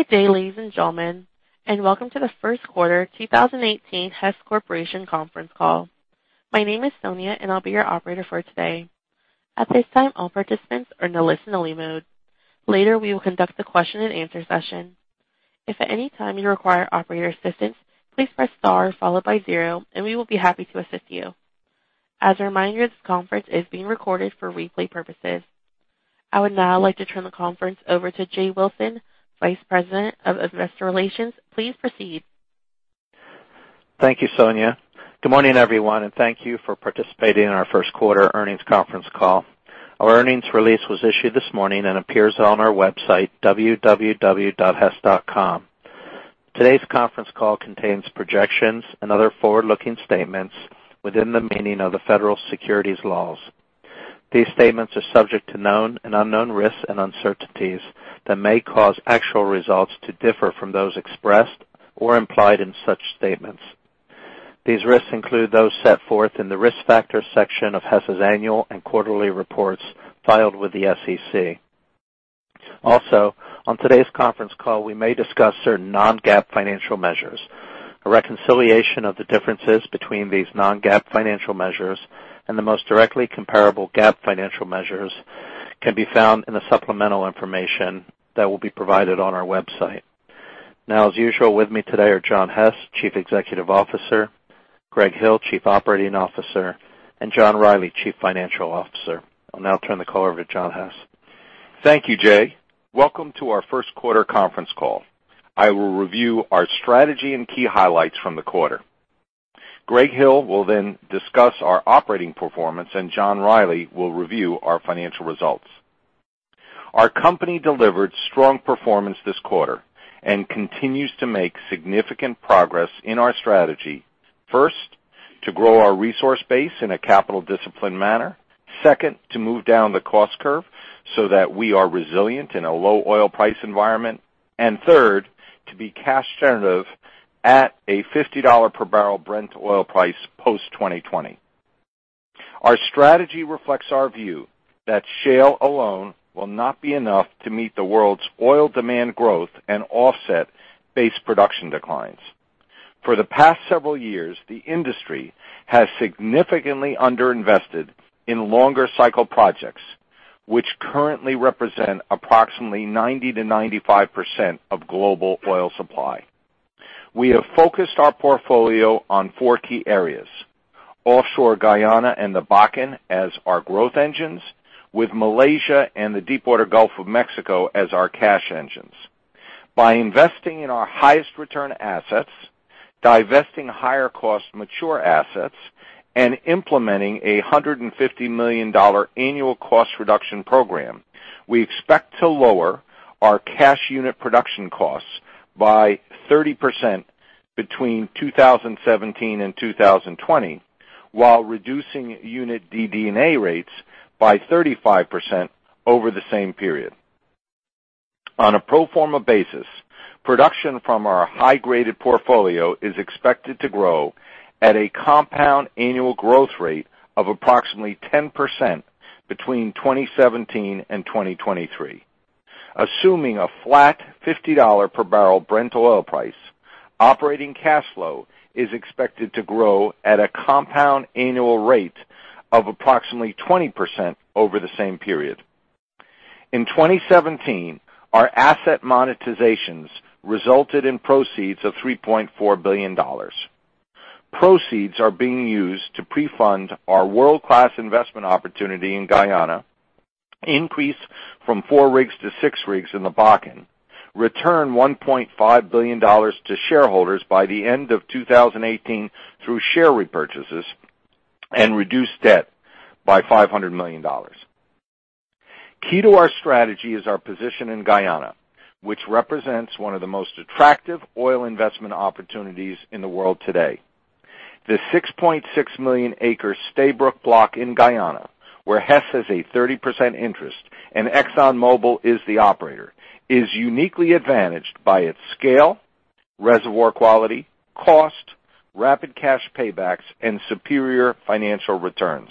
Good day, ladies and gentlemen, welcome to the first quarter 2018 Hess Corporation conference call. My name is Sonia, I'll be your operator for today. At this time, all participants are in a listen only mode. Later, we will conduct a question and answer session. If at any time you require operator assistance, please press star followed by zero, and we will be happy to assist you. As a reminder, this conference is being recorded for replay purposes. I would now like to turn the conference over to Jay Wilson, Vice President of Investor Relations. Please proceed. Thank you, Sonia. Good morning, everyone, and thank you for participating in our first quarter earnings conference call. Our earnings release was issued this morning and appears on our website, www.hess.com. Today's conference call contains projections and other forward-looking statements within the meaning of the Federal Securities laws. These statements are subject to known and unknown risks and uncertainties that may cause actual results to differ from those expressed or implied in such statements. These risks include those set forth in the risk factors section of Hess's annual and quarterly reports filed with the SEC. Also, on today's conference call, we may discuss certain non-GAAP financial measures. A reconciliation of the differences between these non-GAAP financial measures and the most directly comparable GAAP financial measures can be found in the supplemental information that will be provided on our website. As usual, with me today are John Hess, Chief Executive Officer, Greg Hill, Chief Operating Officer, and John Rielly, Chief Financial Officer. I'll now turn the call over to John Hess. Thank you, Jay. Welcome to our first quarter conference call. I will review our strategy and key highlights from the quarter. Greg Hill will then discuss our operating performance, and John Rielly will review our financial results. Our company delivered strong performance this quarter and continues to make significant progress in our strategy. First, to grow our resource base in a capital disciplined manner. Second, to move down the cost curve so that we are resilient in a low oil price environment. Third, to be cash generative at a $50 per barrel Brent oil price post 2020. Our strategy reflects our view that shale alone will not be enough to meet the world's oil demand growth and offset base production declines. For the past several years, the industry has significantly underinvested in longer cycle projects, which currently represent approximately 90%-95% of global oil supply. We have focused our portfolio on four key areas, offshore Guyana and the Bakken as our growth engines, with Malaysia and the deepwater Gulf of Mexico as our cash engines. By investing in our highest return assets, divesting higher cost mature assets, and implementing a $150 million annual cost reduction program, we expect to lower our cash unit production costs by 30% between 2017 and 2020, while reducing unit DD&A rates by 35% over the same period. On a pro forma basis, production from our high-graded portfolio is expected to grow at a compound annual growth rate of approximately 10% between 2017 and 2023. Assuming a flat $50 per barrel Brent oil price, operating cash flow is expected to grow at a compound annual rate of approximately 20% over the same period. In 2017, our asset monetizations resulted in proceeds of $3.4 billion. Proceeds are being used to pre-fund our world-class investment opportunity in Guyana, increase from four rigs to six rigs in the Bakken, return $1.5 billion to shareholders by the end of 2018 through share repurchases, and reduce debt by $500 million. Key to our strategy is our position in Guyana, which represents one of the most attractive oil investment opportunities in the world today. The 6.6 million acre Stabroek Block in Guyana, where Hess has a 30% interest and ExxonMobil is the operator, is uniquely advantaged by its scale, reservoir quality, cost, rapid cash paybacks, and superior financial returns.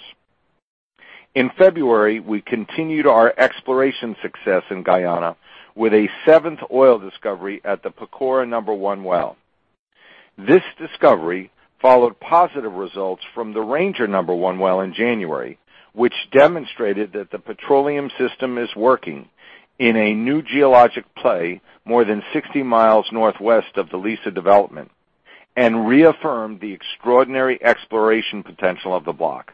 In February, we continued our exploration success in Guyana with a seventh oil discovery at the Pacora-1 well. This discovery followed positive results from the Ranger number one well in January, which demonstrated that the petroleum system is working in a new geologic play more than 60 miles northwest of the Liza development and reaffirmed the extraordinary exploration potential of the block.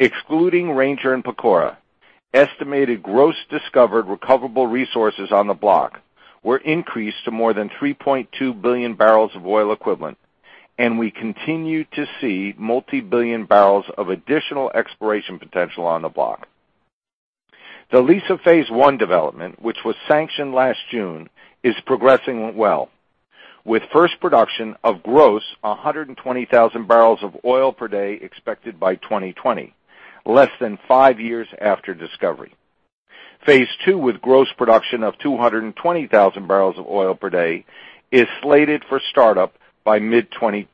Excluding Ranger and Pacora, estimated gross discovered recoverable resources on the block were increased to more than 3.2 billion barrels of oil equivalent, and we continue to see multi-billion barrels of additional exploration potential on the block. The Liza Phase 1 development, which was sanctioned last June, is progressing well. With first production of gross 120,000 barrels of oil per day expected by 2020, less than five years after discovery. Phase 2, with gross production of 220,000 barrels of oil per day, is slated for startup by mid-2022.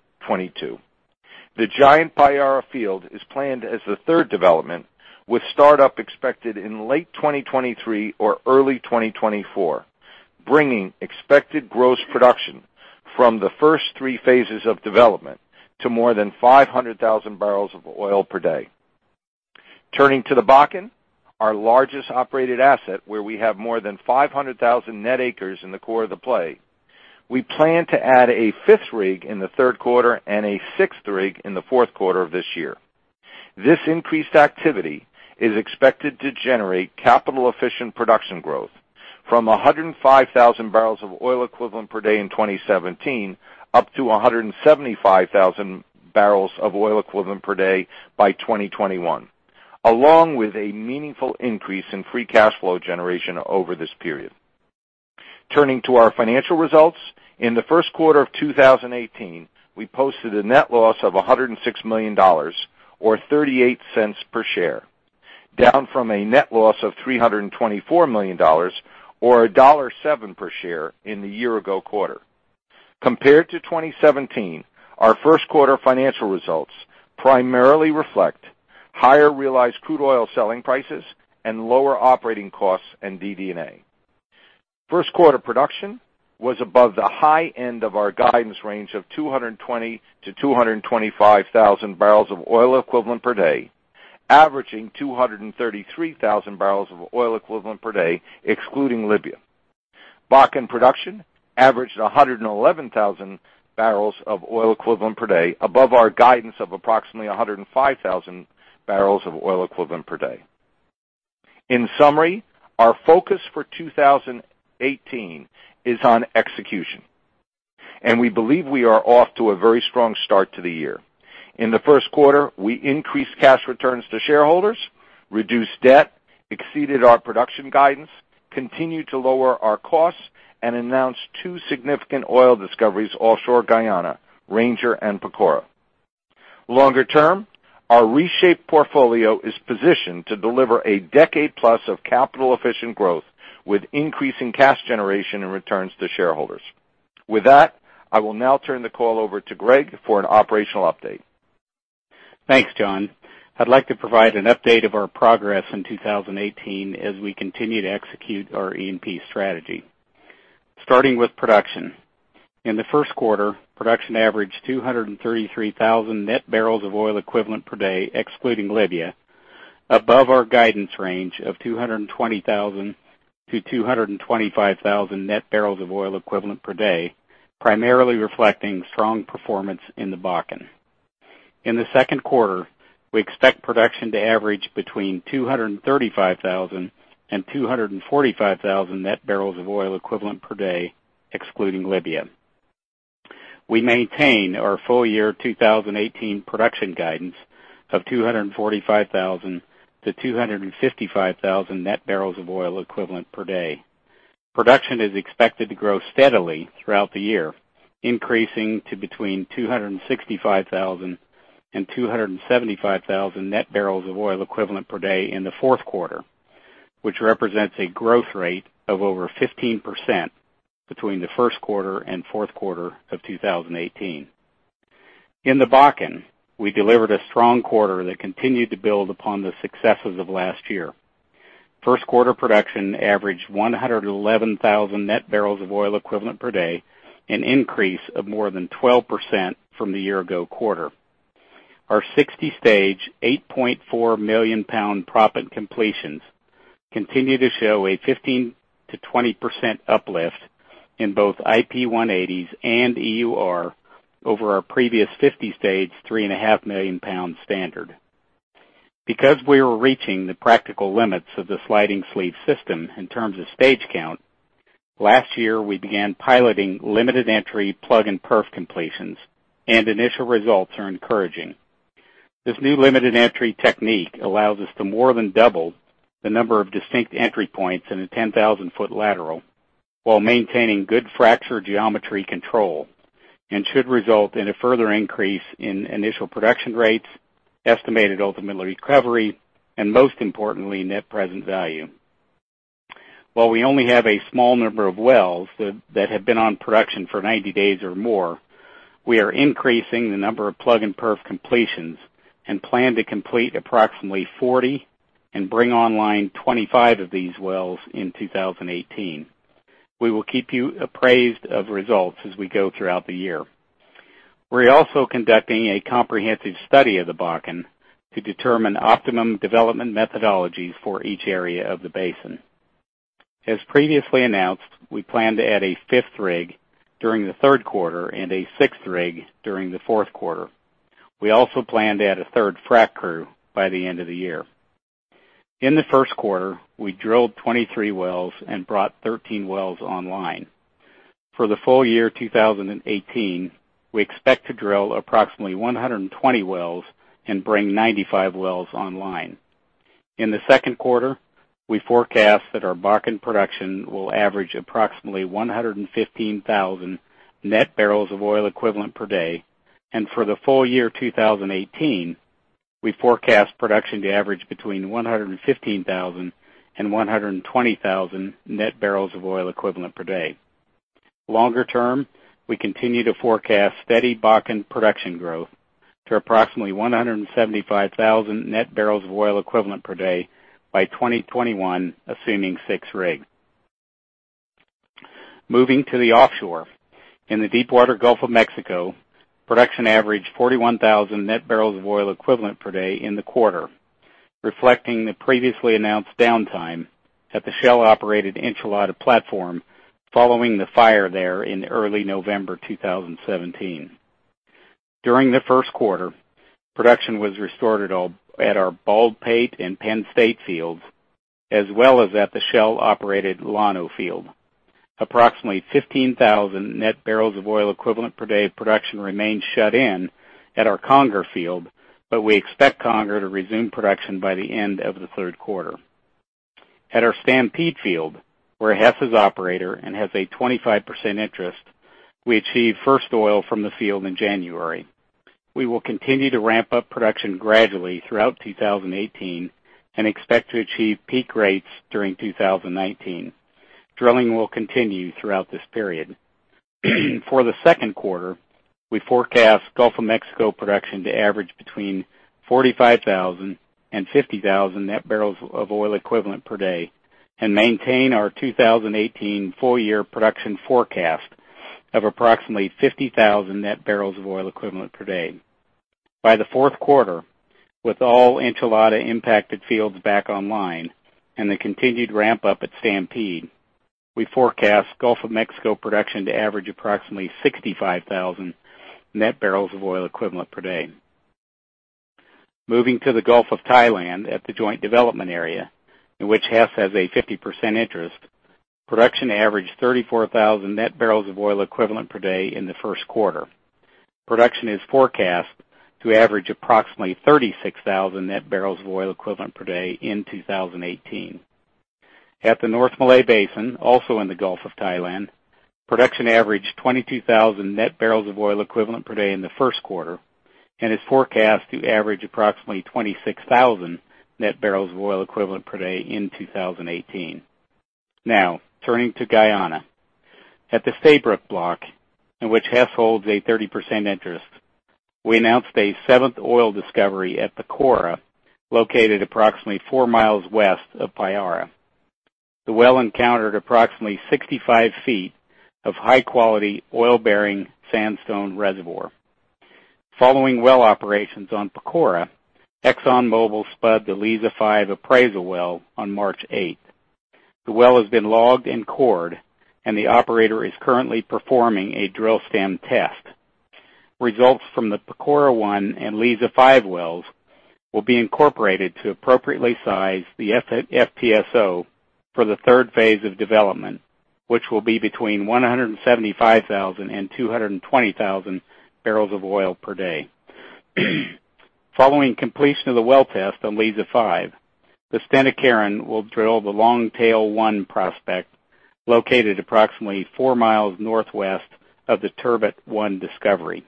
The Giant Payara field is planned as the third development with startup expected in late 2023 or early 2024, bringing expected gross production from the first three phases of development to more than 500,000 barrels of oil per day. Turning to the Bakken, our largest operated asset, where we have more than 500,000 net acres in the core of the play. We plan to add a fifth rig in the third quarter and a sixth rig in the fourth quarter of this year. This increased activity is expected to generate capital-efficient production growth from 105,000 barrels of oil equivalent per day in 2017 up to 175,000 barrels of oil equivalent per day by 2021, along with a meaningful increase in free cash flow generation over this period. Turning to our financial results. In the first quarter of 2018, we posted a net loss of $106 million, or $0.38 per share, down from a net loss of $324 million or $1.7 per share in the year ago quarter. Compared to 2017, our first quarter financial results primarily reflect higher realized crude oil selling prices and lower operating costs and DD&A. First quarter production was above the high end of our guidance range of 220,000-225,000 barrels of oil equivalent per day, averaging 233,000 barrels of oil equivalent per day, excluding Libya. Bakken production averaged 111,000 barrels of oil equivalent per day, above our guidance of approximately 105,000 barrels of oil equivalent per day. In summary, our focus for 2018 is on execution, and we believe we are off to a very strong start to the year. In the first quarter, we increased cash returns to shareholders, reduced debt, exceeded our production guidance, continued to lower our costs, and announced two significant oil discoveries offshore Guyana, Ranger and Pacora. Longer term, our reshaped portfolio is positioned to deliver a decade plus of capital efficient growth with increasing cash generation and returns to shareholders. With that, I will now turn the call over to Greg for an operational update. Thanks, John. I'd like to provide an update of our progress in 2018 as we continue to execute our E&P strategy. Starting with production. In the first quarter, production averaged 233,000 net barrels of oil equivalent per day, excluding Libya, above our guidance range of 220,000-225,000 net barrels of oil equivalent per day, primarily reflecting strong performance in the Bakken. In the second quarter, we expect production to average between 235,000 and 245,000 net barrels of oil equivalent per day, excluding Libya. We maintain our full year 2018 production guidance of 245,000-255,000 net barrels of oil equivalent per day. Production is expected to grow steadily throughout the year, increasing to between 265,000 and 275,000 net barrels of oil equivalent per day in the fourth quarter, which represents a growth rate of over 15% between the first quarter and fourth quarter of 2018. In the Bakken, we delivered a strong quarter that continued to build upon the successes of last year. First quarter production averaged 111,000 net barrels of oil equivalent per day, an increase of more than 12% from the year ago quarter. Our 60 stage, 8.4 million pound proppant completions continue to show a 15%-20% uplift in both IP180s and EUR over our previous 50 stage, 3.5 million pound standard. Because we were reaching the practical limits of the sliding sleeve system in terms of stage count, last year we began piloting limited entry plug and perf completions, and initial results are encouraging. This new limited entry technique allows us to more than double the number of distinct entry points in a 10,000 foot lateral while maintaining good fracture geometry control and should result in a further increase in initial production rates, estimated ultimate recovery, and most importantly, net present value. While we only have a small number of wells that have been on production for 90 days or more, we are increasing the number of plug and perf completions and plan to complete approximately 40 and bring online 25 of these wells in 2018. We will keep you appraised of results as we go throughout the year. We're also conducting a comprehensive study of the Bakken to determine optimum development methodologies for each area of the basin. As previously announced, we plan to add a fifth rig during the third quarter and a sixth rig during the fourth quarter. We also plan to add a third frack crew by the end of the year. In the first quarter, we drilled 23 wells and brought 13 wells online. For the full year 2018, we expect to drill approximately 120 wells and bring 95 wells online. In the second quarter, we forecast that our Bakken production will average approximately 115,000 net barrels of oil equivalent per day. For the full year 2018, we forecast production to average between 115,000 and 120,000 net barrels of oil equivalent per day. Longer term, we continue to forecast steady Bakken production growth to approximately 175,000 net barrels of oil equivalent per day by 2021, assuming six rig. Moving to the offshore. In the Deep Water Gulf of Mexico, production averaged 41,000 net barrels of oil equivalent per day in the quarter, reflecting the previously announced downtime at the Shell-operated Enchilada platform following the fire there in early November 2017. During the first quarter, production was restored at our Baldpate and Penn State fields, as well as at the Shell-operated Llano field. Approximately 15,000 net barrels of oil equivalent per day of production remains shut in at our Conger field, we expect Conger to resume production by the end of the third quarter. At our Stampede field, where Hess is operator and has a 25% interest, we achieved first oil from the field in January. We will continue to ramp up production gradually throughout 2018, we expect to achieve peak rates during 2019. Drilling will continue throughout this period. For the second quarter, we forecast Gulf of Mexico production to average between 45,000 and 50,000 net barrels of oil equivalent per day, we maintain our 2018 full-year production forecast of approximately 50,000 net barrels of oil equivalent per day. By the fourth quarter, with all Enchilada impacted fields back online and the continued ramp up at Stampede, we forecast Gulf of Mexico production to average approximately 65,000 net barrels of oil equivalent per day. Moving to the Gulf of Thailand at the joint development area, in which Hess has a 50% interest, production averaged 34,000 net barrels of oil equivalent per day in the first quarter. Production is forecast to average approximately 36,000 net barrels of oil equivalent per day in 2018. At the North Malay Basin, also in the Gulf of Thailand, production averaged 22,000 net barrels of oil equivalent per day in the first quarter. It is forecast to average approximately 26,000 net barrels of oil equivalent per day in 2018. Turning to Guyana. At the Stabroek Block, in which Hess holds a 30% interest, we announced a seventh oil discovery at Pacora, located approximately four miles west of Payara. The well encountered approximately 65 feet of high-quality oil-bearing sandstone reservoir. Following well operations on Pacora, ExxonMobil spud the Liza-5 appraisal well on March 8th. The well has been logged and cored, and the operator is currently performing a drill stem test. Results from the Pacora-1 and Liza-5 wells will be incorporated to appropriately size the FPSO for the third phase of development, which will be between 175,000 and 220,000 barrels of oil per day. Following completion of the well test on Liza-5, the Stena Carron will drill the Longtail-1 prospect, located approximately four miles northwest of the Turbot-1 discovery.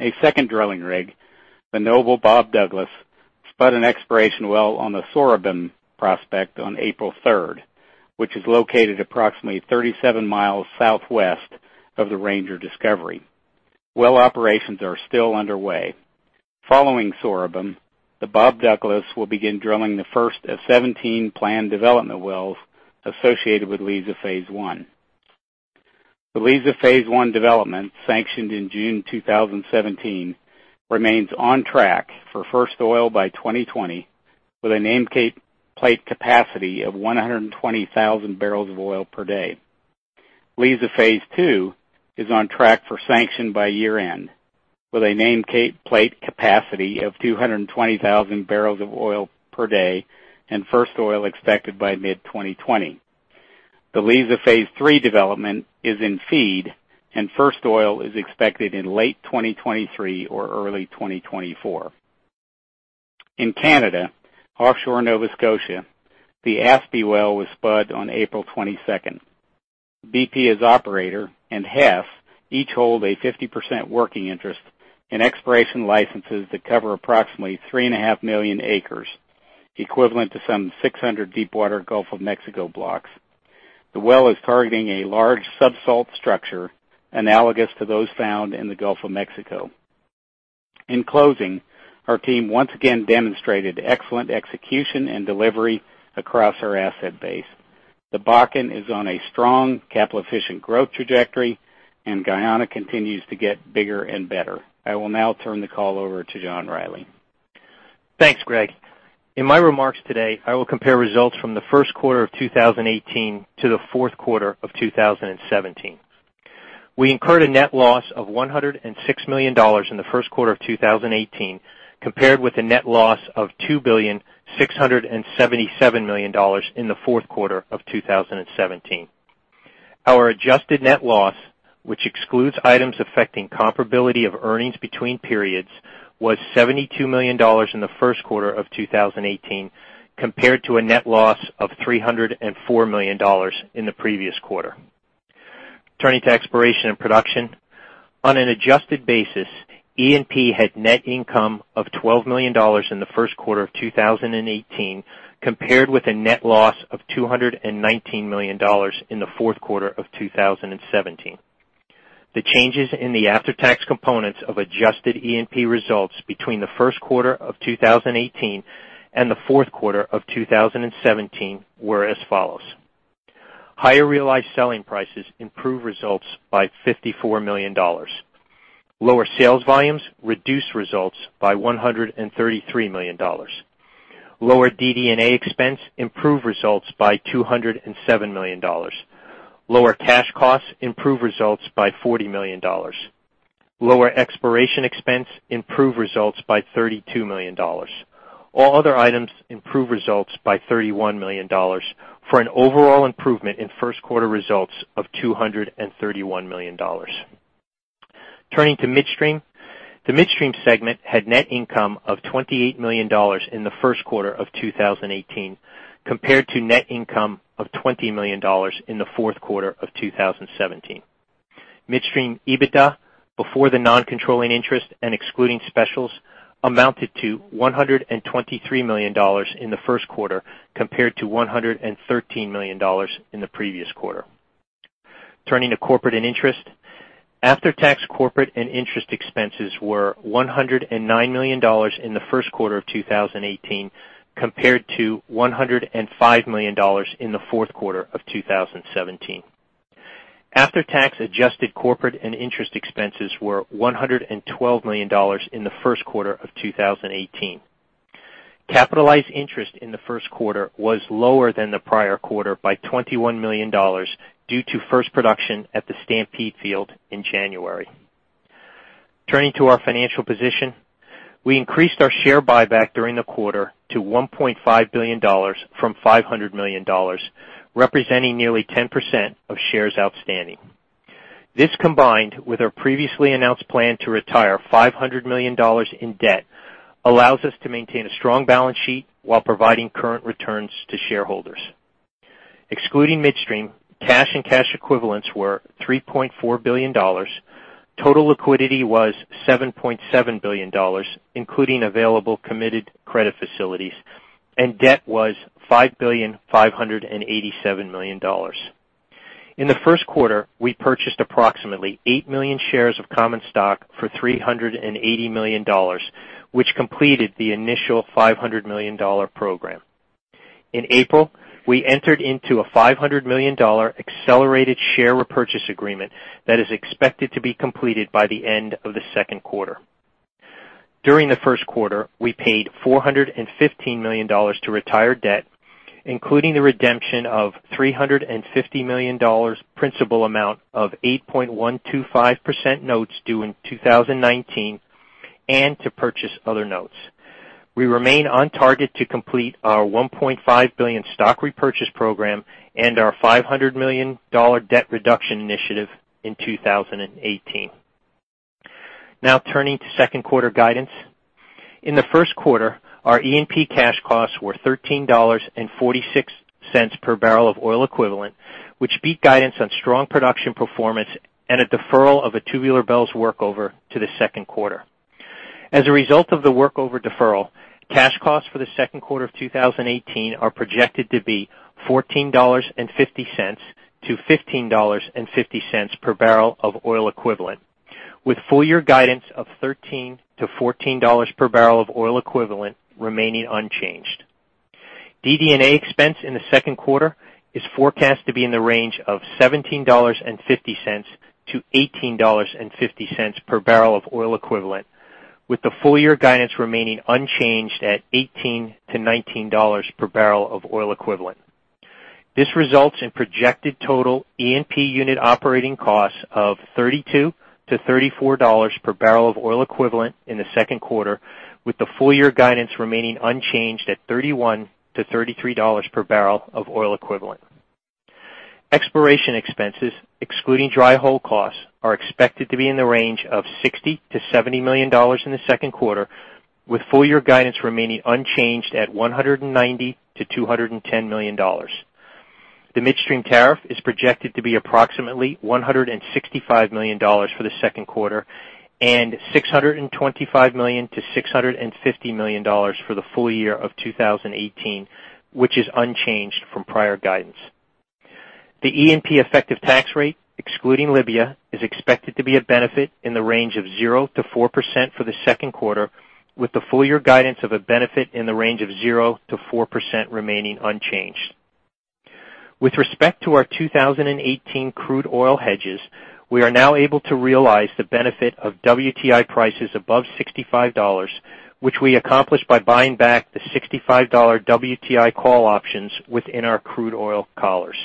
A second drilling rig, the Noble Bob Douglas, spud an exploration well on the Sorubim-1 prospect on April 3rd, which is located approximately 37 miles southwest of the Ranger discovery. Well operations are still underway. Following Sorubim, the Noble Bob Douglas will begin drilling the first of 17 planned development wells associated with Liza Phase 1. The Liza Phase 1 development, sanctioned in June 2017, remains on track for first oil by 2020, with a nameplate capacity of 120,000 barrels of oil per day. Liza Phase 2 is on track for sanction by year-end, with a nameplate capacity of 220,000 barrels of oil per day, and first oil expected by mid-2020. The Liza Phase 3 development is in FEED. First oil is expected in late 2023 or early 2024. In Canada, offshore Nova Scotia, the Aspy well was spud on April 22nd. BP as operator and Hess each hold a 50% working interest in exploration licenses that cover approximately three and a half million acres, equivalent to some 600 Deep Water Gulf of Mexico blocks. The well is targeting a large sub-salt structure analogous to those found in the Gulf of Mexico. In closing, our team once again demonstrated excellent execution and delivery across our asset base. The Bakken is on a strong capital efficient growth trajectory, Guyana continues to get bigger and better. I will now turn the call over to John Rielly. Thanks, Greg. In my remarks today, I will compare results from the first quarter of 2018 to the fourth quarter of 2017. We incurred a net loss of $106 million in the first quarter of 2018, compared with a net loss of $2.677 billion in the fourth quarter of 2017. Our adjusted net loss, which excludes items affecting comparability of earnings between periods, was $72 million in the first quarter of 2018, compared to a net loss of $304 million in the previous quarter. Turning to exploration and production. On an adjusted basis, E&P had net income of $12 million in the first quarter of 2018, compared with a net loss of $219 million in the fourth quarter of 2017. The changes in the after-tax components of adjusted E&P results between the first quarter of 2018 and the fourth quarter of 2017 were as follows. Higher realized selling prices improved results by $54 million. Lower sales volumes reduced results by $133 million. Lower DD&A expense improved results by $207 million. Lower cash costs improved results by $40 million. Lower exploration expense improved results by $32 million. All other items improved results by $31 million for an overall improvement in first quarter results of $231 million. Turning to midstream. The midstream segment had net income of $28 million in the first quarter of 2018, compared to net income of $20 million in the fourth quarter of 2017. Midstream EBITDA, before the non-controlling interest and excluding specials, amounted to $123 million in the first quarter, compared to $113 million in the previous quarter. Turning to corporate and interest. After-tax corporate and interest expenses were $109 million in the first quarter of 2018, compared to $105 million in the fourth quarter of 2017. After-tax adjusted corporate and interest expenses were $112 million in the first quarter of 2018. Capitalized interest in the first quarter was lower than the prior quarter by $21 million due to first production at the Stampede field in January. Turning to our financial position. We increased our share buyback during the quarter to $1.5 billion from $500 million, representing nearly 10% of shares outstanding. This, combined with our previously announced plan to retire $500 million in debt, allows us to maintain a strong balance sheet while providing current returns to shareholders. Excluding midstream, cash and cash equivalents were $3.4 billion. Total liquidity was $7.7 billion, including available committed credit facilities, and debt was $5,587,000,000. In the first quarter, we purchased approximately 8 million shares of common stock for $380 million, which completed the initial $500 million program. In April, we entered into a $500 million accelerated share repurchase agreement that is expected to be completed by the end of the second quarter. During the first quarter, we paid $415 million to retire debt, including the redemption of $350 million principal amount of 8.125% notes due in 2019, and to purchase other notes. We remain on target to complete our $1.5 billion stock repurchase program and our $500 million debt reduction initiative in 2018. Turning to second quarter guidance. In the first quarter, our E&P cash costs were $13.46 per barrel of oil equivalent, which beat guidance on strong production performance and a deferral of a Tubular Bells workover to the second quarter. As a result of the workover deferral, cash costs for the second quarter of 2018 are projected to be $14.50-$15.50 per barrel of oil equivalent, with full year guidance of $13-$14 per barrel of oil equivalent remaining unchanged. DD&A expense in the second quarter is forecast to be in the range of $17.50-$18.50 per barrel of oil equivalent, with the full year guidance remaining unchanged at $18-$19 per barrel of oil equivalent. This results in projected total E&P unit operating costs of $32-$34 per barrel of oil equivalent in the second quarter, with the full year guidance remaining unchanged at $31-$33 per barrel of oil equivalent. Exploration expenses, excluding dry hole costs, are expected to be in the range of $60 million-$70 million in the second quarter, with full year guidance remaining unchanged at $190 million-$210 million. The midstream tariff is projected to be approximately $165 million for the second quarter and $625 million-$650 million for the full year of 2018, which is unchanged from prior guidance. The E&P effective tax rate, excluding Libya, is expected to be a benefit in the range of 0%-4% for the second quarter, with the full year guidance of a benefit in the range of 0%-4% remaining unchanged. With respect to our 2018 crude oil hedges, we are now able to realize the benefit of WTI prices above $65, which we accomplished by buying back the $65 WTI call options within our crude oil collars.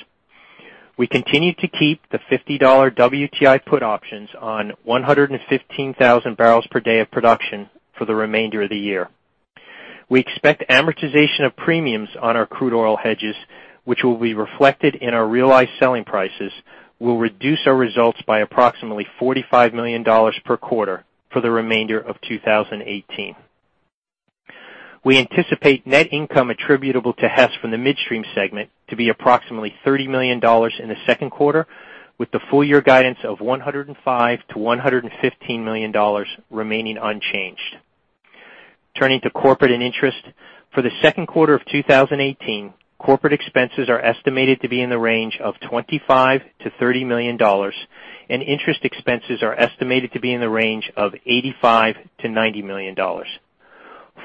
We continue to keep the $50 WTI put options on 115,000 barrels per day of production for the remainder of the year. We expect amortization of premiums on our crude oil hedges, which will be reflected in our realized selling prices, will reduce our results by approximately $45 million per quarter for the remainder of 2018. We anticipate net income attributable to Hess from the midstream segment to be approximately $30 million in the second quarter, with the full year guidance of $105 million-$115 million remaining unchanged. Turning to corporate and interest. For the second quarter of 2018, corporate expenses are estimated to be in the range of $25 million-$30 million, and interest expenses are estimated to be in the range of $85 million-$90 million.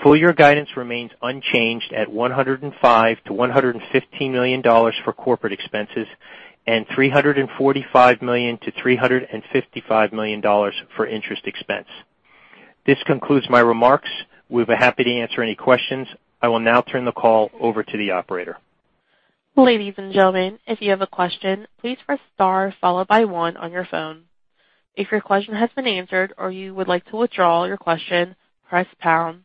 Full year guidance remains unchanged at $105 million-$115 million for corporate expenses and $345 million-$355 million for interest expense. This concludes my remarks. We will be happy to answer any questions. I will now turn the call over to the operator. Ladies and gentlemen, if you have a question, please press star followed by one on your phone. If your question has been answered or you would like to withdraw your question, press pound.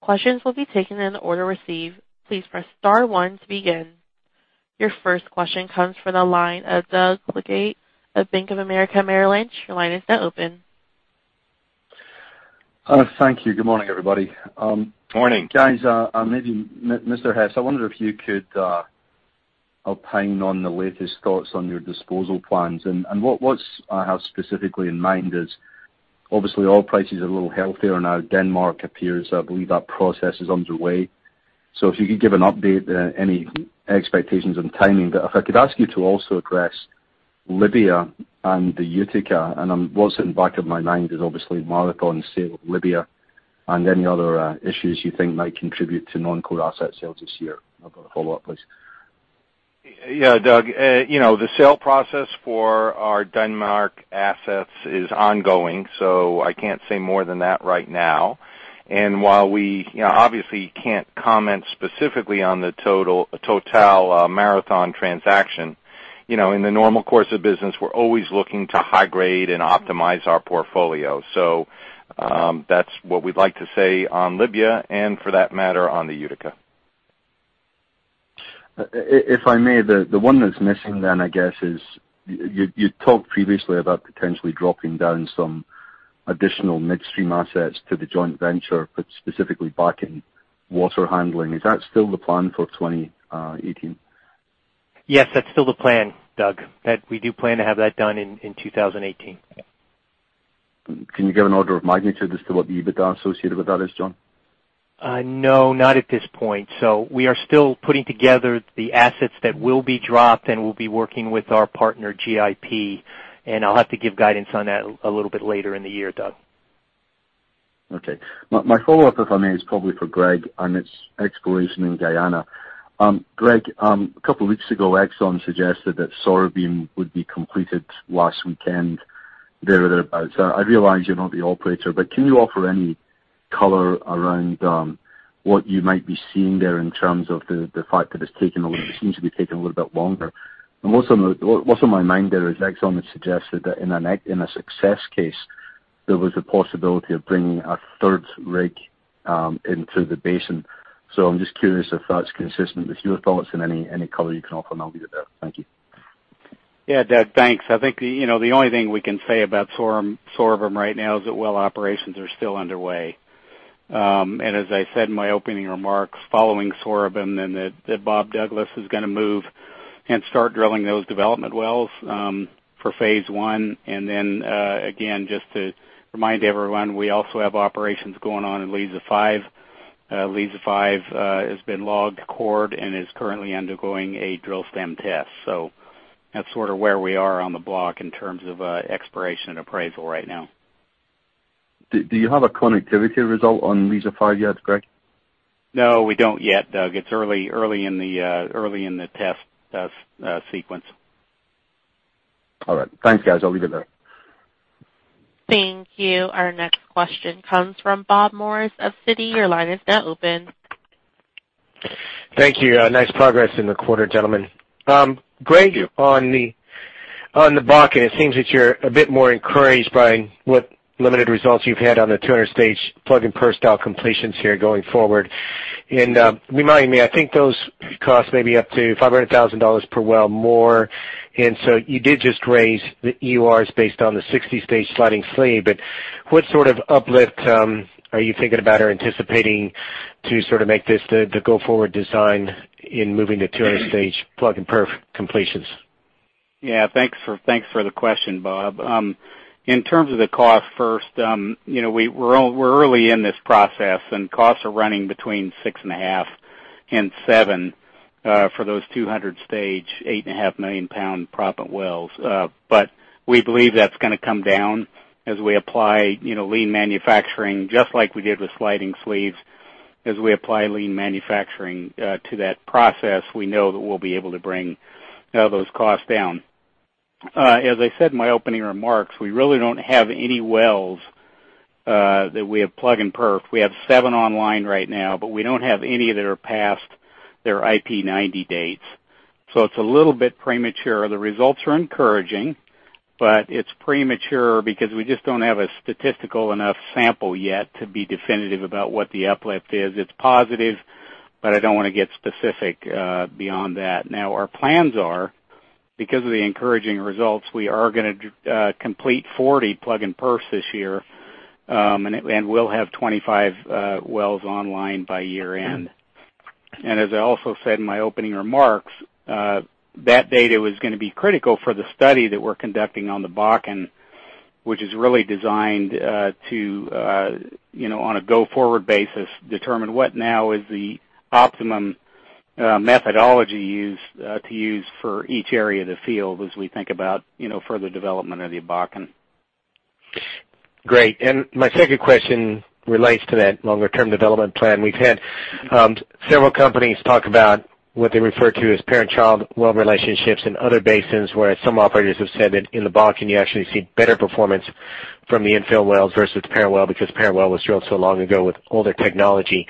Questions will be taken in the order received. Please press star one to begin. Your first question comes from the line of Doug Leggate of Bank of America Merrill Lynch. Your line is now open. Thank you. Good morning, everybody. Morning. Guys, maybe Mr. Hess, I wonder if you could opine on the latest thoughts on your disposal plans and what I have specifically in mind is obviously oil prices are a little healthier now. Denmark appears, I believe that process is underway. If you could give an update, any expectations on timing. If I could ask you to also address Libya and the Utica, and what's in the back of my mind is obviously Marathon Oil sale Libya and any other issues you think might contribute to non-core asset sales this year. I've got a follow-up, please. Yeah, Doug, the sale process for our Denmark assets is ongoing. I can't say more than that right now. While we obviously can't comment specifically on the Total-Marathon Oil transaction, in the normal course of business, we're always looking to high grade and optimize our portfolio. That's what we'd like to say on Libya, and for that matter, on the Utica. If I may, the one that's missing then, I guess, is you talked previously about potentially dropping down some additional midstream assets to the joint venture, but specifically Bakken water handling. Is that still the plan for 2018? Yes, that's still the plan, Doug. We do plan to have that done in 2018. Can you give an order of magnitude as to what the EBITDA associated with that is, John? No, not at this point. We are still putting together the assets that will be dropped, we'll be working with our partner, GIP, I'll have to give guidance on that a little bit later in the year, Doug. Okay. My follow-up, if I may, is probably for Greg on its exploration in Guyana. Greg, a couple of weeks ago, Exxon suggested that Sorubim would be completed last weekend, there or thereabouts. I realize you're not the operator, but can you offer any color around what you might be seeing there in terms of the fact that it seems to be taking a little bit longer? What's on my mind there is Exxon had suggested that in a success case, there was a possibility of bringing a third rig into the basin. I'm just curious if that's consistent with your thoughts and any color you can offer on that. Thank you. Doug, thanks. I think, the only thing we can say about Sorubim right now is that well operations are still underway. As I said in my opening remarks, following Sorubim, and that Bob Douglas is going to move and start drilling those development wells for phase 1. Then again, just to remind everyone, we also have operations going on in Liza-5. Liza-5 has been logged, cored, and is currently undergoing a drill stem test. That's sort of where we are on the block in terms of exploration and appraisal right now. Do you have a connectivity result on Liza-5 yet, Greg? No, we don't yet, Doug. It's early in the test sequence. All right. Thanks, guys. I'll leave it there. Thank you. Our next question comes from Bob Morris of Citi. Your line is now open. Thank you. Nice progress in the quarter, gentlemen. Greg, on the Bakken, it seems that you're a bit more encouraged by what limited results you've had on the 200-stage plug and perf style completions here going forward. Remind me, I think those costs may be up to $500,000 per well more. You did just raise the EURs based on the 60-stage sliding sleeve. What sort of uplift are you thinking about or anticipating to sort of make this the go forward design in moving to 200-stage plug and perf completions? Yeah, thanks for the question, Bob. In terms of the cost first, we're early in this process. Costs are running between six and a half and seven for those 200-stage, eight and a half million pound proppant wells. We believe that's going to come down as we apply lean manufacturing, just like we did with sliding sleeves. As we apply lean manufacturing to that process, we know that we'll be able to bring those costs down. As I said in my opening remarks, we really don't have any wells that we have plug and perf. We have seven online right now. We don't have any that are past their IP90 dates, so it's a little bit premature. The results are encouraging. It's premature because we just don't have a statistical enough sample yet to be definitive about what the uplift is. It's positive. I don't want to get specific beyond that. Now, our plans are. Because of the encouraging results, we are going to complete 40 plug and perf this year, and we'll have 25 wells online by year-end. As I also said in my opening remarks, that data was going to be critical for the study that we're conducting on the Bakken, which is really designed to, on a go-forward basis, determine what now is the optimum methodology to use for each area of the field as we think about further development of the Bakken. Great. My second question relates to that longer-term development plan. We've had several companies talk about what they refer to as parent-child well relationships in other basins, where some operators have said that in the Bakken, you actually see better performance from the infill wells versus parent well, because parent well was drilled so long ago with older technology.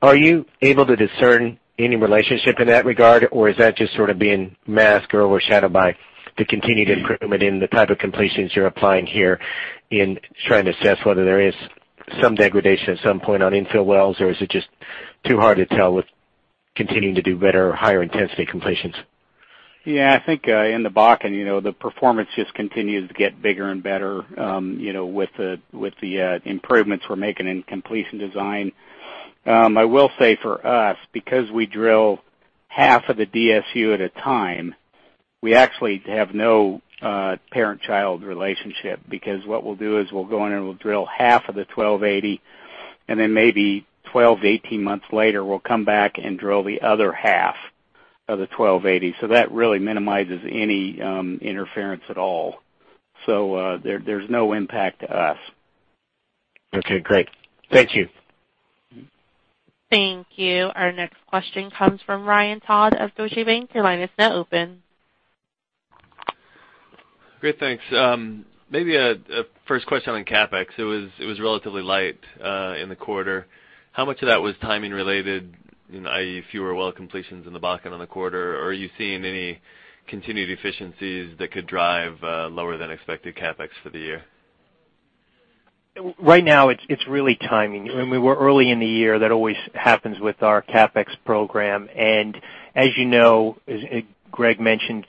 Are you able to discern any relationship in that regard, or is that just being masked or overshadowed by the continued improvement in the type of completions you're applying here in trying to assess whether there is some degradation at some point on infill wells, or is it just too hard to tell with continuing to do better or higher intensity completions? Yeah, I think, in the Bakken, the performance just continues to get bigger and better with the improvements we're making in completion design. I will say for us, because we drill half of the DSU at a time, we actually have no parent-child relationship, because what we'll do is we'll go in and we'll drill half of the 1280, and then maybe 12 to 18 months later, we'll come back and drill the other half of the 1280. That really minimizes any interference at all. There's no impact to us. Okay, great. Thank you. Thank you. Our next question comes from Ryan Todd of Deutsche Bank. Your line is now open. Great. Thanks. Maybe a first question on CapEx. It was relatively light in the quarter. How much of that was timing related, i.e., fewer well completions in the Bakken on the quarter? Are you seeing any continued efficiencies that could drive lower than expected CapEx for the year? Right now, it's really timing. When we were early in the year, that always happens with our CapEx program. As you know, as Greg mentioned,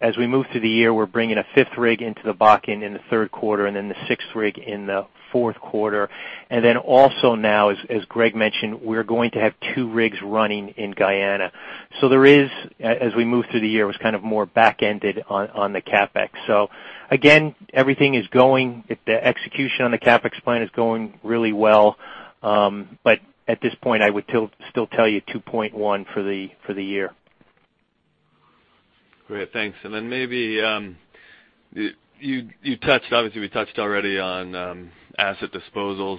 as we move through the year, we're bringing a fifth rig into the Bakken in the third quarter and the sixth rig in the fourth quarter. Also now, as Greg mentioned, we're going to have two rigs running in Guyana. There was more back-ended on the CapEx as we move through the year. Again, the execution on the CapEx plan is going really well. At this point, I would still tell you $2.1 for the year. Great. Thanks. Maybe, obviously we touched already on asset disposals.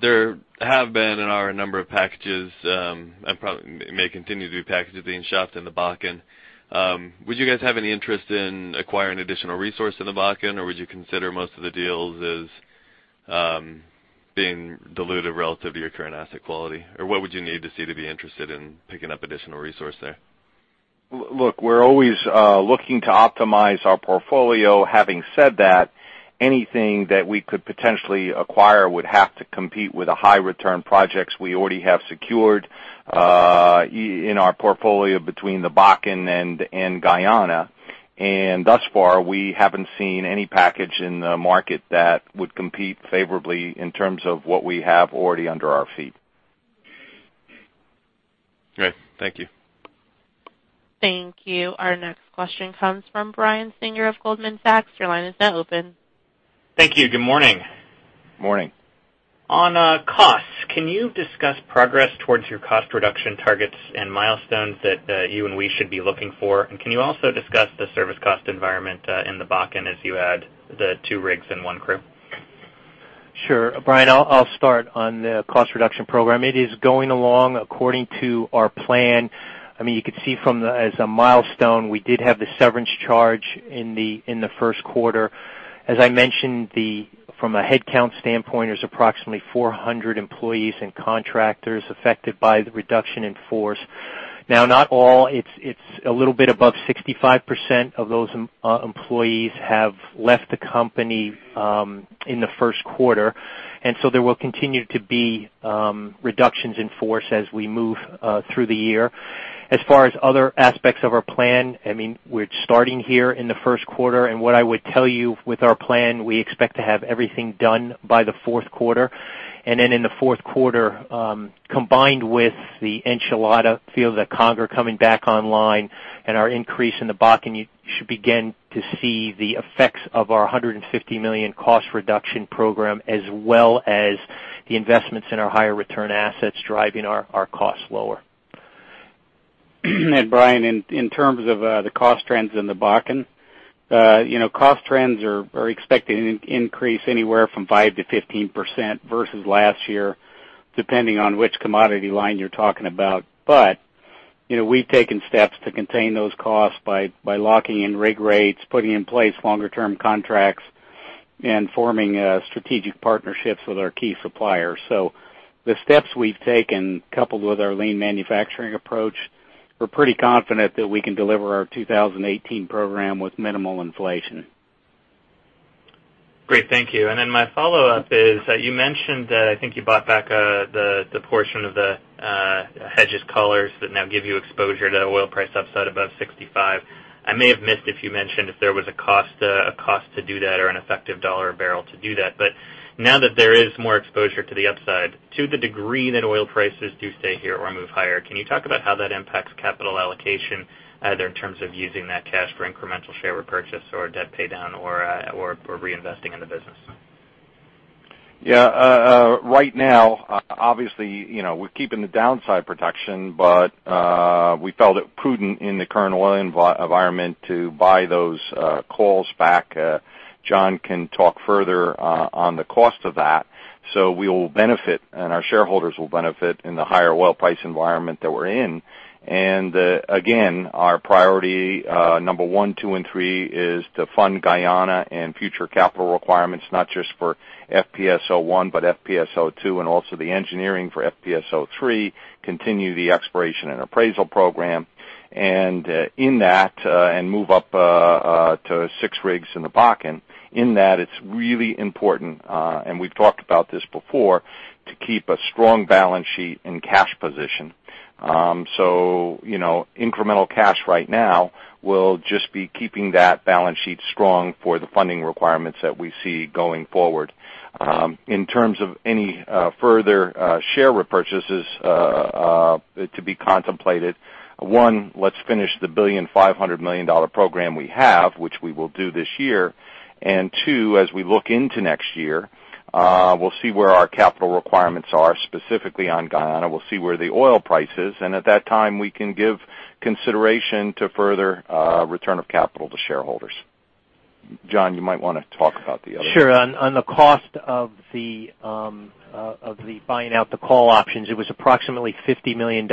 There have been and are a number of packages, and may continue to be packages being shopped in the Bakken. Would you guys have any interest in acquiring additional resource in the Bakken, or would you consider most of the deals as being diluted relative to your current asset quality? What would you need to see to be interested in picking up additional resource there? Look, we're always looking to optimize our portfolio. Having said that, anything that we could potentially acquire would have to compete with the high return projects we already have secured in our portfolio between the Bakken and Guyana. Thus far, we haven't seen any package in the market that would compete favorably in terms of what we have already under our feet. Great. Thank you. Thank you. Our next question comes from Brian Singer of Goldman Sachs. Your line is now open. Thank you. Good morning. Morning. On costs, can you discuss progress towards your cost reduction targets and milestones that you and we should be looking for? Can you also discuss the service cost environment in the Bakken as you add the two rigs and one crew? Sure. Brian, I'll start on the cost reduction program. It is going along according to our plan. You could see as a milestone, we did have the severance charge in the first quarter. As I mentioned, from a headcount standpoint, there's approximately 400 employees and contractors affected by the reduction in force. Not all, it's a little bit above 65% of those employees have left the company in the first quarter. There will continue to be reductions in force as we move through the year. As far as other aspects of our plan, we're starting here in the first quarter. What I would tell you with our plan, we expect to have everything done by the fourth quarter. In the fourth quarter, combined with the Enchilada field at Conger coming back online and our increase in the Bakken, you should begin to see the effects of our $150 million cost reduction program, as well as the investments in our higher return assets driving our costs lower. Brian, in terms of the cost trends in the Bakken, cost trends are expected to increase anywhere from 5%-15% versus last year, depending on which commodity line you're talking about. We've taken steps to contain those costs by locking in rig rates, putting in place longer term contracts, and forming strategic partnerships with our key suppliers. The steps we've taken, coupled with our lean manufacturing approach, we're pretty confident that we can deliver our 2018 program with minimal inflation. Great. Thank you. My follow-up is, you mentioned that I think you bought back the portion of the hedges collars that now give you exposure to oil price upside above $65. I may have missed if you mentioned if there was a cost to do that or an effective $1 a barrel to do that. Now that there is more exposure to the upside, to the degree that oil prices do stay here or move higher, can you talk about how that impacts capital allocation either in terms of using that cash for incremental share repurchase or debt pay down or reinvesting in the business? Yeah. Right now, obviously, we're keeping the downside protection, but we felt it prudent in the current oil environment to buy those calls back. John can talk further on the cost of that. We will benefit, and our shareholders will benefit in the higher oil price environment that we're in. Again, our priority number one, two, and three is to fund Guyana and future capital requirements, not just for FPSO 1, but FPSO 2, and also the engineering for FPSO 3, continue the exploration and appraisal program, and move up to six rigs in the Bakken. In that, it's really important, and we've talked about this before, to keep a strong balance sheet and cash position. Incremental cash right now will just be keeping that balance sheet strong for the funding requirements that we see going forward. In terms of any further share repurchases to be contemplated, one, let's finish the $1.5 billion program we have, which we will do this year. Two, as we look into next year, we'll see where our capital requirements are specifically on Guyana. We'll see where the oil price is, and at that time, we can give consideration to further return of capital to shareholders. John, you might want to talk about the other- Sure. On the cost of the buying out the call options, it was approximately $50 million.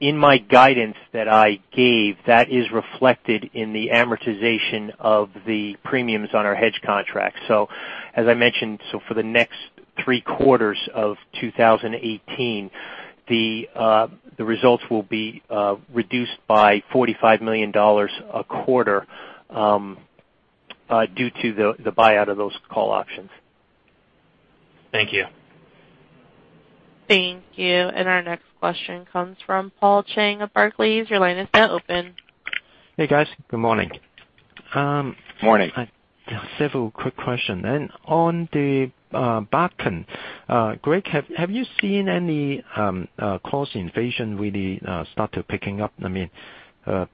In my guidance that I gave, that is reflected in the amortization of the premiums on our hedge contract. As I mentioned, for the next three quarters of 2018, the results will be reduced by $45 million a quarter due to the buyout of those call options. Thank you. Thank you. Our next question comes from Paul Cheng of Barclays. Your line is now open. Hey, guys. Good morning. Morning. Several quick question then. On the Bakken, Greg, have you seen any cost inflation really start to picking up?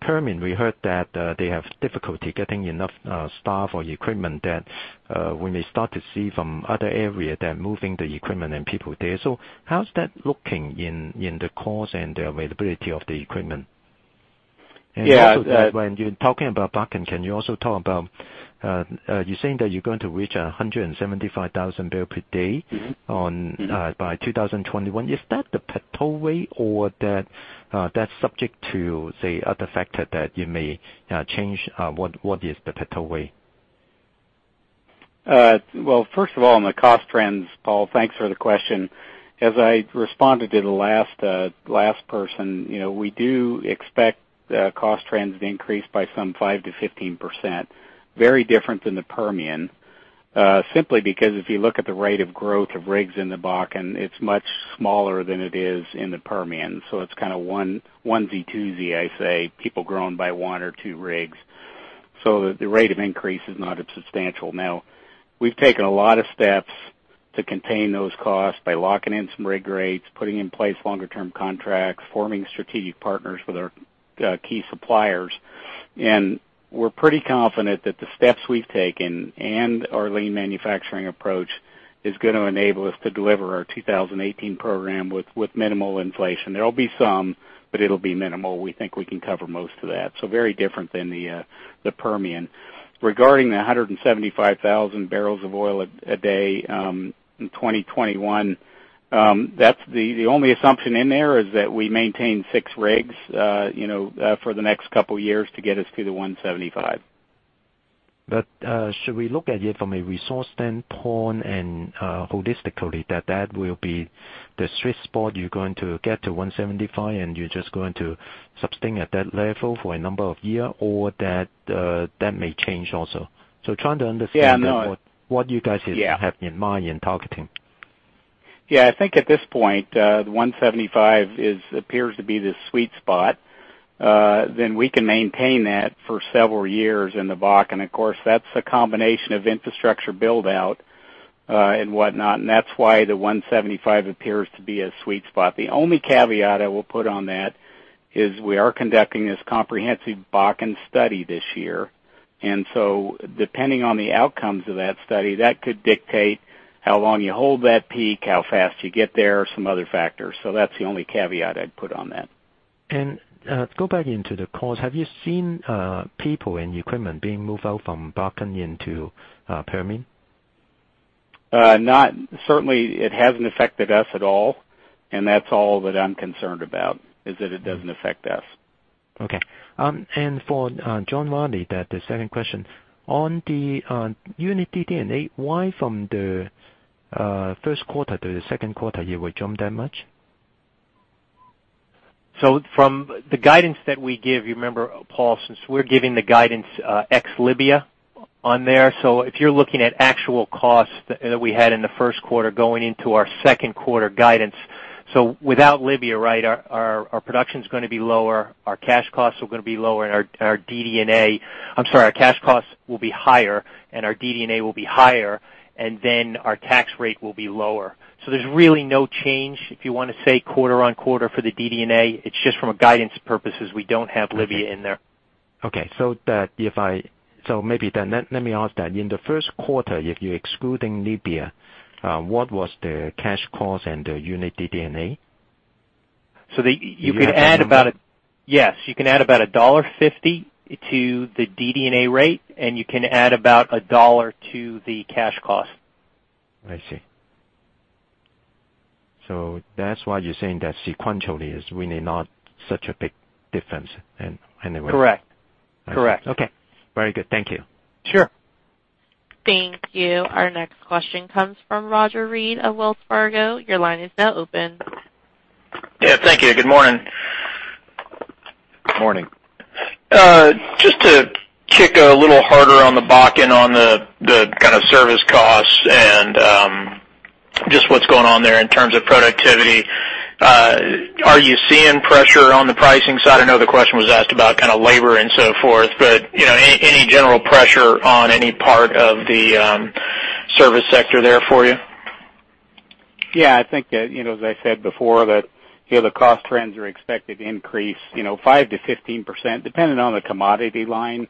Permian, we heard that they have difficulty getting enough staff or equipment that we may start to see from other area that moving the equipment and people there. How's that looking in the cost and the availability of the equipment? Yeah- Also when you're talking about Bakken, can you also talk about, you're saying that you're going to reach 175,000 barrel per day by 2021. Is that the pathway or that's subject to, say, other factor that you may change? What is the pathway? Well, first of all, on the cost trends, Paul, thanks for the question. As I responded to the last person, we do expect cost trends to increase by some 5%-15%. Very different than the Permian, simply because if you look at the rate of growth of rigs in the Bakken, it's much smaller than it is in the Permian. It's kind of onesie, twosie, I say. People growing by one or two rigs. The rate of increase is not substantial. Now, we've taken a lot of steps to contain those costs by locking in some rig rates, putting in place longer term contracts, forming strategic partners with our key suppliers, and we're pretty confident that the steps we've taken and our lean manufacturing approach is going to enable us to deliver our 2018 program with minimal inflation. There'll be some, but it'll be minimal. We think we can cover most of that. Very different than the Permian. Regarding the 175,000 barrels of oil a day in 2021, the only assumption in there is that we maintain six rigs for the next couple of years to get us to the 175. Should we look at it from a resource standpoint and holistically that that will be the sweet spot you're going to get to 175 and you're just going to sustain at that level for a number of year or that may change also? Trying to understand- Yeah, no- What you guys have in mind in targeting. Yeah, I think at this point, the 175 appears to be the sweet spot. We can maintain that for several years in the Bakken. Of course, that's a combination of infrastructure build-out and whatnot, and that's why the 175 appears to be a sweet spot. The only caveat I will put on that is we are conducting this comprehensive Bakken study this year, depending on the outcomes of that study, that could dictate how long you hold that peak, how fast you get there, some other factors. That's the only caveat I'd put on that. Go back into the cost. Have you seen people and equipment being moved out from Bakken into Permian? Certainly, it hasn't affected us at all, and that's all that I'm concerned about, is that it doesn't affect us. Okay. For John Rielly, the second question. On the unit DD&A, why from the first quarter to the second quarter it will jump that much? From the guidance that we give, you remember, Paul, since we're giving the guidance ex Libya on there. If you're looking at actual costs that we had in the first quarter going into our second quarter guidance, without Libya, our production's going to be lower, our cash costs will be higher, and our DD&A will be higher, and our tax rate will be lower. There's really no change, if you want to say, quarter-on-quarter for the DD&A. It's just from a guidance purposes, we don't have Libya in there. Okay. Maybe then let me ask then, in the first quarter, if you're excluding Libya, what was the cash cost and the unit DD&A? Yes. You can add about $1.50 to the DD&A rate, and you can add about $1 to the cash cost. I see. That's why you're saying that sequentially is really not such a big difference anyway. Correct. Okay. Very good. Thank you. Sure. Thank you. Our next question comes from Roger Read of Wells Fargo. Your line is now open. Yeah, thank you. Good morning. Morning. Just to kick a little harder on the Bakken on the kind of service costs and just what's going on there in terms of productivity. Are you seeing pressure on the pricing side? I know the question was asked about labor and so forth, any general pressure on any part of the service sector there for you? Yeah, I think that, as I said before, that the cost trends are expected to increase 5%-15%, depending on the commodity line.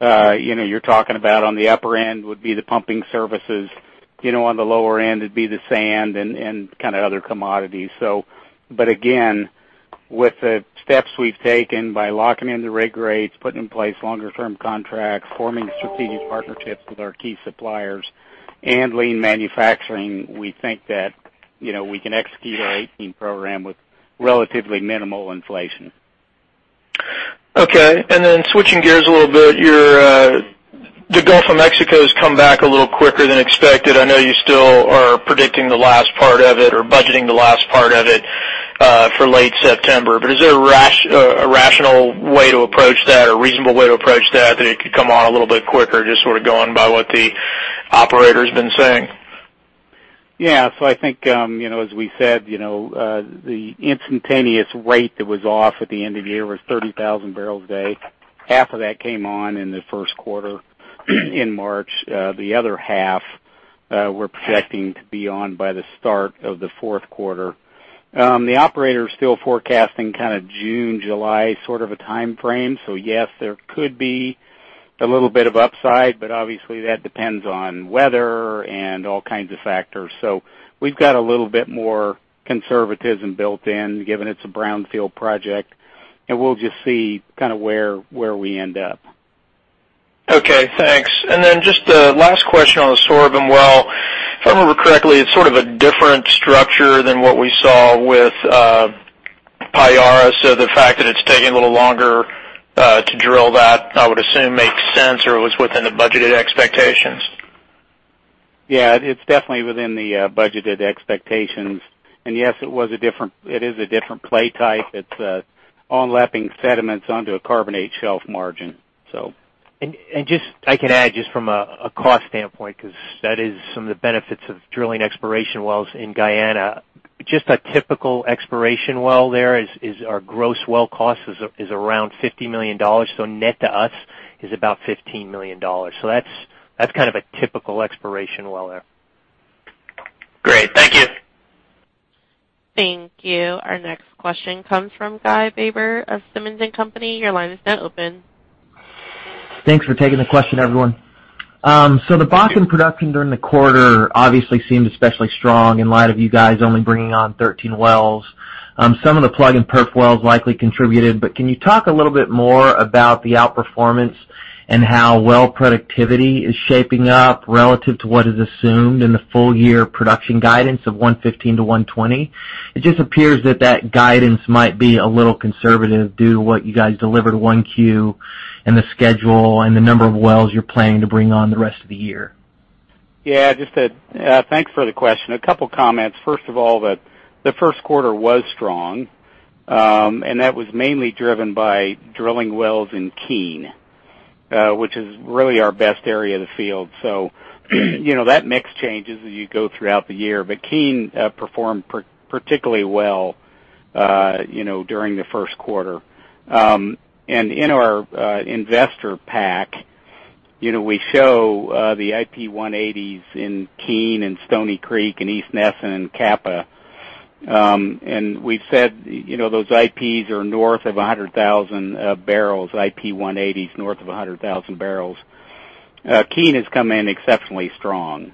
You're talking about on the upper end would be the pumping services, on the lower end, it'd be the sand and other commodities. Again, with the steps we've taken by locking in the rig rates, putting in place longer term contracts, forming strategic partnerships with our key suppliers, and lean manufacturing, we think that we can execute our 2018 program with relatively minimal inflation. Okay. Switching gears a little bit, the Gulf of Mexico has come back a little quicker than expected. I know you still are predicting the last part of it, or budgeting the last part of it, for late September. Is there a rational way to approach that, a reasonable way to approach that it could come on a little bit quicker, just sort of going by what the operator's been saying? Yeah. I think, as we said, the instantaneous rate that was off at the end of the year was 30,000 barrels a day. Half of that came on in the first quarter in March. The other half, we're projecting to be on by the start of the fourth quarter. The operator's still forecasting kind of June, July sort of a timeframe. Yes, there could be a little bit of upside, obviously that depends on weather and all kinds of factors. We've got a little bit more conservatism built in, given it's a brownfield project, and we'll just see where we end up. Okay, thanks. Just a last question on the Sorubim well. If I remember correctly, it's sort of a different structure than what we saw with Pacora. The fact that it's taking a little longer to drill that I would assume makes sense or it was within the budgeted expectations. Yeah. It's definitely within the budgeted expectations. Yes, it is a different play type. It's on lapping sediments onto a carbonate shelf margin. I can add just from a cost standpoint, because that is some of the benefits of drilling exploration wells in Guyana. Just a typical exploration well there is our gross well cost is around $50 million. Net to us is about $15 million. That's a typical exploration well there. Great. Thank you. Thank you. Our next question comes from Guy Baber of Simmons & Company. Your line is now open. Thanks for taking the question, everyone. The Bakken production during the quarter obviously seemed especially strong in light of you guys only bringing on 13 wells. Some of the plug and perf wells likely contributed, but can you talk a little bit more about the outperformance and how well productivity is shaping up relative to what is assumed in the full year production guidance of 115-120? It just appears that that guidance might be a little conservative due to what you guys delivered 1Q and the schedule and the number of wells you're planning to bring on the rest of the year. Thanks for the question. A couple comments. First of all, the first quarter was strong, that was mainly driven by drilling wells in Keene, which is really our best area of the field. That mix changes as you go throughout the year. Keene performed particularly well during the first quarter. In our investor pack, we show the IP180s in Keene and Stony Creek and East Nesson and Kappa. We've said those IPs are north of 100,000 barrels, IP180s north of 100,000 barrels. Keene has come in exceptionally strong.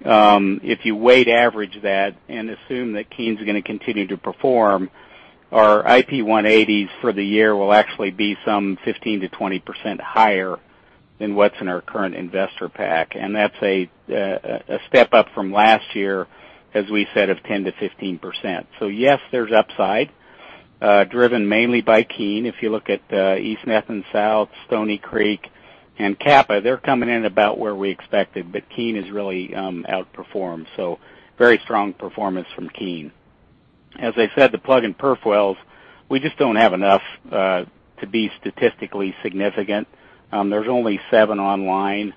If you weight average that and assume that Keene's going to continue to perform, our IP180s for the year will actually be some 15%-20% higher than what's in our current investor pack. That's a step up from last year, as we said, of 10%-15%. Yes, there's upside, driven mainly by Keene. If you look at East Nesson South, Stony Creek, and Kappa, they're coming in about where we expected, Keene has really outperformed. Very strong performance from Keene. As I said, the plug and perf wells, we just don't have enough to be statistically significant. There's only seven online,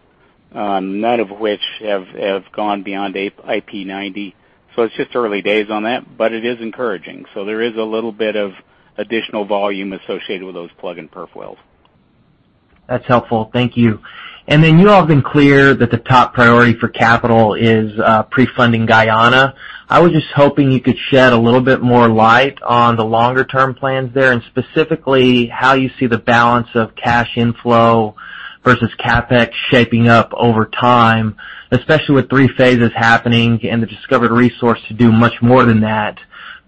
none of which have gone beyond IP90. It's just early days on that, but it is encouraging. There is a little bit of additional volume associated with those plug and perf wells. That's helpful. Thank you. You all have been clear that the top priority for capital is pre-funding Guyana. I was just hoping you could shed a little bit more light on the longer-term plans there, and specifically how you see the balance of cash inflow versus CapEx shaping up over time, especially with 3 phases happening and the discovered resource to do much more than that.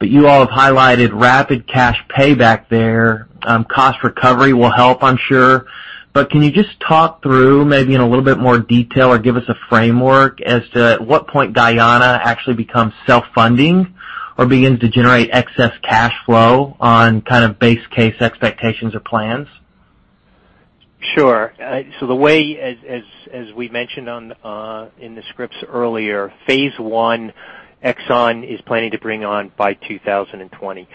You all have highlighted rapid cash payback there. Cost recovery will help, I'm sure. Can you just talk through maybe in a little bit more detail, or give us a framework as to at what point Guyana actually becomes self-funding or begins to generate excess cash flow on base case expectations or plans? Sure. The way, as we mentioned in the scripts earlier, phase 1, Exxon is planning to bring on by 2020.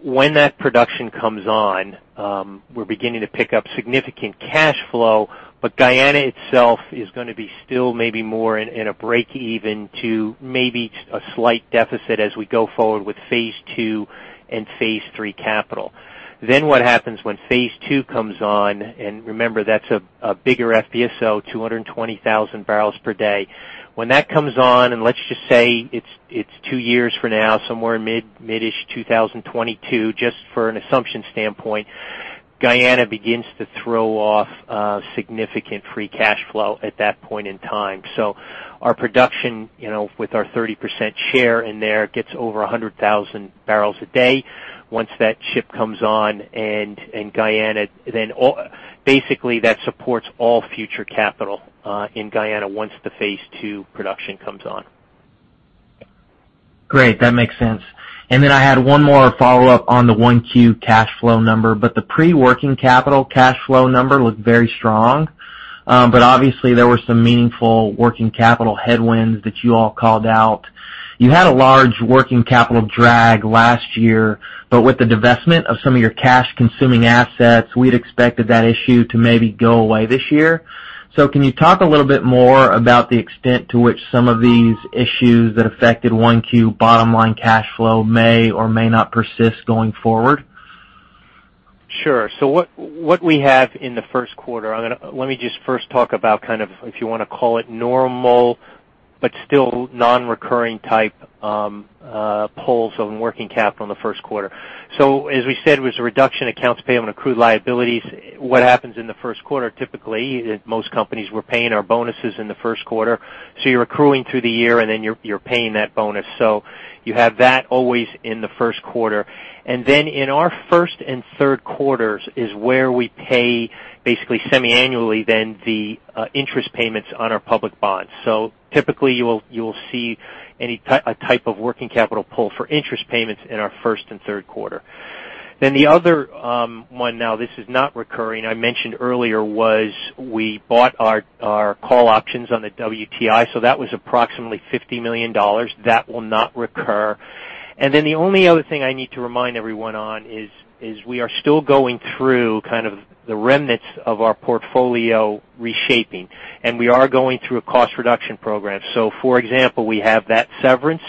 When that production comes on, we're beginning to pick up significant cash flow, but Guyana itself is going to be still maybe more in a break even to maybe a slight deficit as we go forward with phase 2 and phase 3 capital. What happens when phase 2 comes on, and remember, that's a bigger FPSO, 220,000 barrels per day. When that comes on, and let's just say it's two years for now, somewhere mid-ish 2022, just for an assumption standpoint, Guyana begins to throw off significant free cash flow at that point in time. Our production, with our 30% share in there, gets over 100,000 barrels a day once that ship comes on, and basically that supports all future capital in Guyana once the phase 2 production comes on. Great. That makes sense. I had one more follow-up on the 1Q cash flow number, the pre-working capital cash flow number looked very strong. Obviously, there were some meaningful working capital headwinds that you all called out. You had a large working capital drag last year, with the divestment of some of your cash-consuming assets, we'd expected that issue to maybe go away this year. Can you talk a little bit more about the extent to which some of these issues that affected 1Q bottom-line cash flow may or may not persist going forward? Sure. What we have in the first quarter, let me just first talk about if you want to call it normal, still non-recurring type pulls on working capital in the first quarter. As we said, it was a reduction in accounts payable and accrued liabilities. What happens in the first quarter, typically, most companies were paying our bonuses in the first quarter. You're accruing through the year, and then you're paying that bonus. You have that always in the first quarter. In our first and third quarters is where we pay basically semiannually the interest payments on our public bonds. Typically, you will see a type of working capital pull for interest payments in our first and third quarter. The other one now, this is not recurring, I mentioned earlier, was we bought our call options on the WTI, that was approximately $50 million. That will not recur. The only other thing I need to remind everyone on is we are still going through the remnants of our portfolio reshaping, and we are going through a cost reduction program. For example, we have that severance.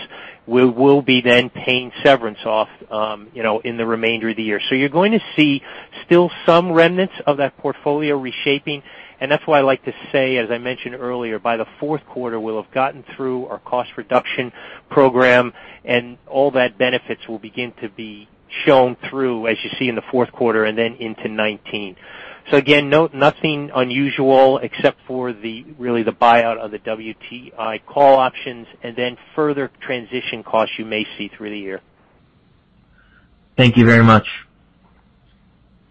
We will be then paying severance off in the remainder of the year. You're going to see still some remnants of that portfolio reshaping, and that's why I like to say, as I mentioned earlier, by the fourth quarter, we'll have gotten through our cost reduction program and all that benefits will begin to be shown through as you see in the fourth quarter and then into 2019. Again, nothing unusual except for really the buyout of the WTI call options, and then further transition costs you may see through the year. Thank you very much.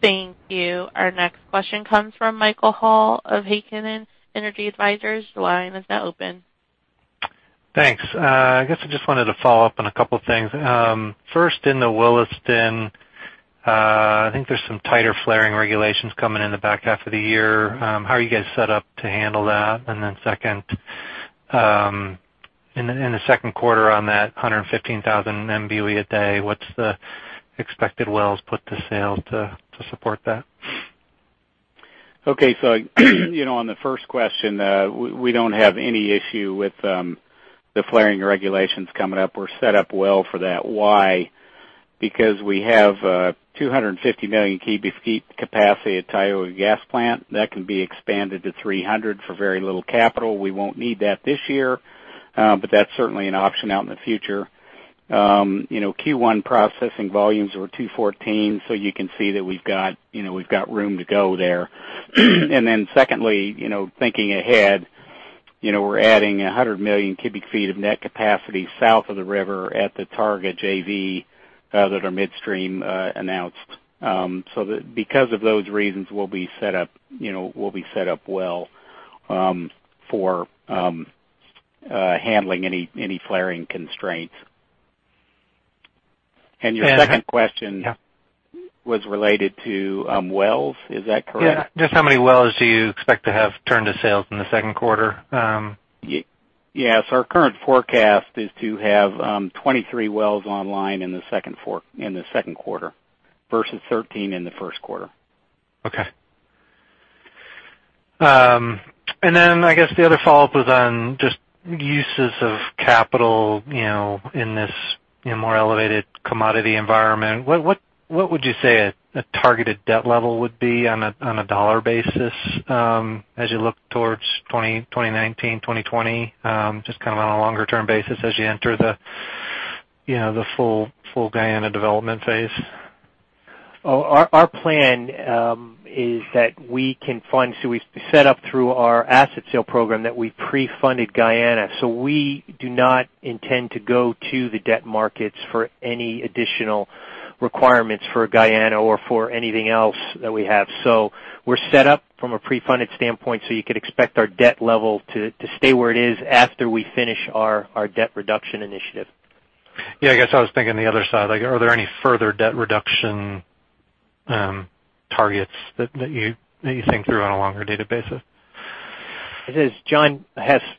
Thank you. Our next question comes from Michael Hall of Heikkinen Energy Advisors. Your line is now open. Thanks. I guess I just wanted to follow up on a couple things. First, in the Williston, I think there's some tighter flaring regulations coming in the back half of the year. How are you guys set up to handle that? Then second, in the second quarter on that BOE 115,000 a day, what's the expected wells put to sale to support that? Okay. On the first question, we don't have any issue with the flaring regulations coming up. We're set up well for that. Why? Because we have a 250 million cubic feet capacity at Tioga Gas Plant. That can be expanded to 300 for very little capital. We won't need that this year, but that's certainly an option out in the future. Q1 processing volumes were 214, so you can see that we've got room to go there. Secondly, thinking ahead, we're adding 100 million cubic feet of net capacity south of the river at the Targa JV that our midstream announced. Because of those reasons, we'll be set up well for handling any flaring constraints. Your second question- Was related to wells. Is that correct? Yeah. Just how many wells do you expect to have turned to sales in the second quarter? Yes, our current forecast is to have 23 wells online in the second quarter, versus 13 in the first quarter. Okay. I guess the other follow-up was on just uses of capital, in this more elevated commodity environment. What would you say a targeted debt level would be on a dollar basis, as you look towards 2019, 2020? Just on a longer-term basis as you enter the full Guyana development phase. Our plan is that we can fund. We set up through our asset sale program that we pre-funded Guyana. We do not intend to go to the debt markets for any additional requirements for Guyana or for anything else that we have. We're set up from a pre-funded standpoint, so you could expect our debt level to stay where it is after we finish our debt reduction initiative. Yeah, I guess I was thinking the other side. Are there any further debt reduction targets that you think through on a longer data basis? As John Hess mentioned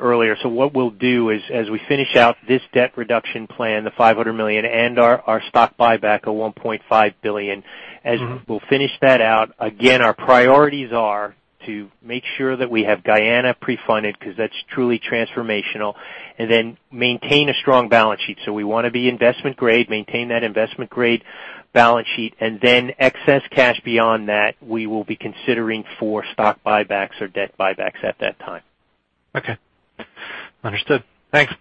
earlier, what we'll do is as we finish out this debt reduction plan, the $500 million, and our stock buyback of $1.5 billion. As we'll finish that out, again, our priorities are to make sure that we have Guyana pre-funded, because that's truly transformational, and then maintain a strong balance sheet. We want to be investment grade, maintain that investment grade balance sheet, and then excess cash beyond that, we will be considering for stock buybacks or debt buybacks at that time. Okay. Understood. Thanks.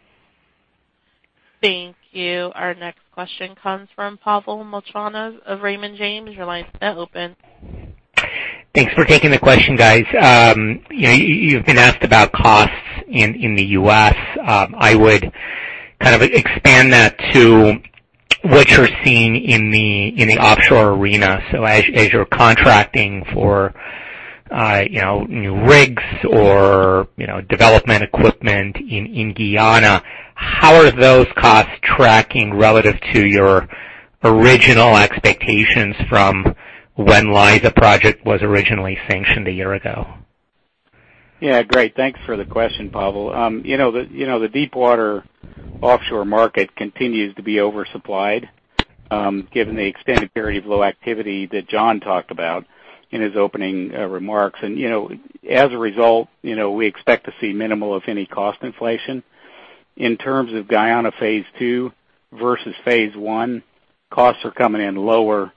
Thank you. Our next question comes from Pavel Molchanov of Raymond James. Your line is now open. Thanks for taking the question, guys. You've been asked about costs in the U.S. I would expand that to what you're seeing in the offshore arena. As you're contracting for new rigs or development equipment in Guyana, how are those costs tracking relative to your original expectations from when Liza project was originally sanctioned a year ago? Yeah, great. Thanks for the question, Pavel. The deep water offshore market continues to be oversupplied, given the extended period of low activity that John talked about in his opening remarks. As a result, we expect to see minimal, if any, cost inflation. In terms of Guyana Phase 2 versus Phase 1, costs are coming in lower,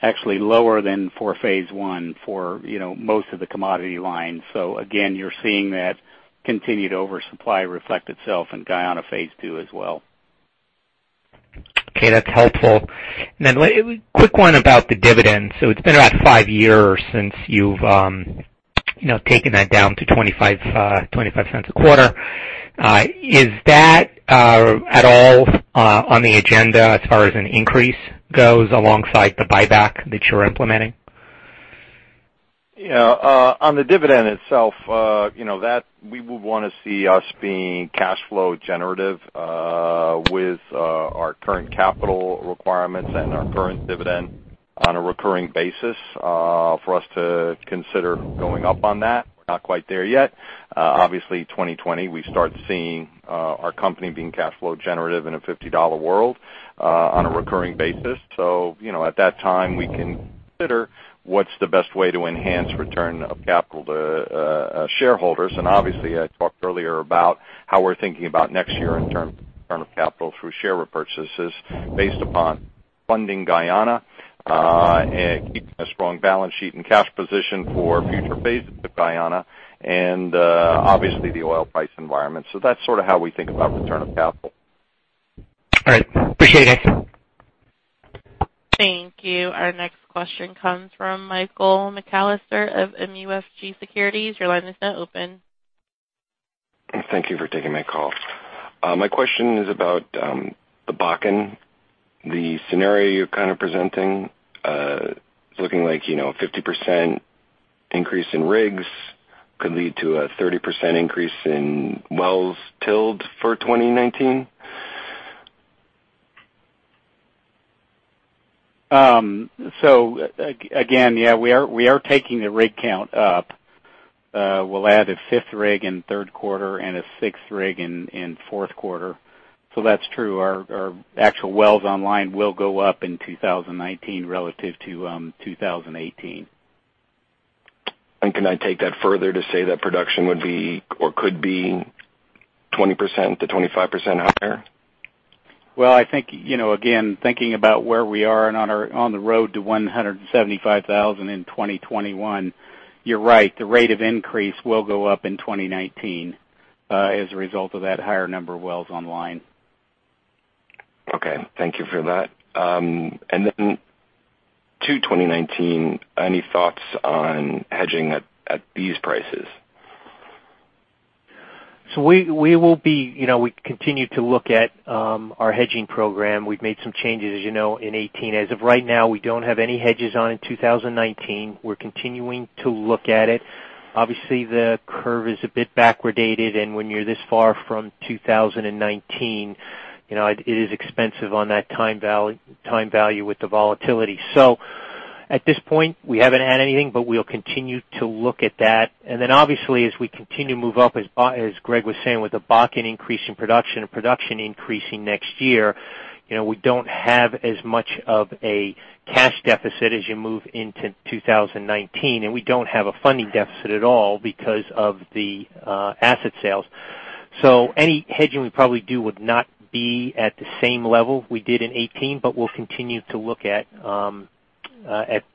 actually lower than for Phase 1 for most of the commodity lines. Again, you're seeing that continued oversupply reflect itself in Guyana Phase 2 as well. Okay. That's helpful. A quick one about the dividend. It's been about five years since you've taken that down to $0.25 a quarter. Is that at all on the agenda as far as an increase goes alongside the buyback that you're implementing? On the dividend itself, that we would want to see us being cash flow generative with our current capital requirements and our current dividend on a recurring basis. For us to consider going up on that, we're not quite there yet. Obviously 2020, we start seeing our company being cash flow generative in a $50 world on a recurring basis. At that time, we can consider what's the best way to enhance return of capital to shareholders. Obviously, I talked earlier about how we're thinking about next year in terms of return of capital through share repurchases based upon funding Guyana, and keeping a strong balance sheet and cash position for future phases of Guyana and, obviously the oil price environment. That's sort of how we think about return of capital. All right. Appreciate it. Thank you. Our next question comes from Michael McAllister of MUFG Securities. Your line is now open. Thank you for taking my call. My question is about the Bakken. The scenario you're presenting, looking like 50% increase in rigs could lead to a 30% increase in wells drilled for 2019? Again, yeah, we are taking the rig count up. We'll add a fifth rig in third quarter and a sixth rig in fourth quarter. That's true. Our actual wells online will go up in 2019 relative to 2018. Can I take that further to say that production would be or could be 20%-25% higher? Well, I think, again, thinking about where we are and on the road to 175,000 in 2021, you're right. The rate of increase will go up in 2019 as a result of that higher number of wells online. Okay. Thank you for that. To 2019, any thoughts on hedging at these prices? We continue to look at our hedging program. We've made some changes, as you know, in 2018. As of right now, we don't have any hedges on in 2019. We're continuing to look at it. Obviously, the curve is a bit backwardated, and when you're this far from 2019, it is expensive on that time value with the volatility. At this point, we haven't had anything, but we'll continue to look at that. Obviously, as we continue to move up, as Greg was saying, with the Bakken increase in production and production increasing next year, we don't have as much of a cash deficit as you move into 2019, and we don't have a funding deficit at all because of the asset sales. Any hedging we probably do would not be at the same level we did in 2018, but we'll continue to look at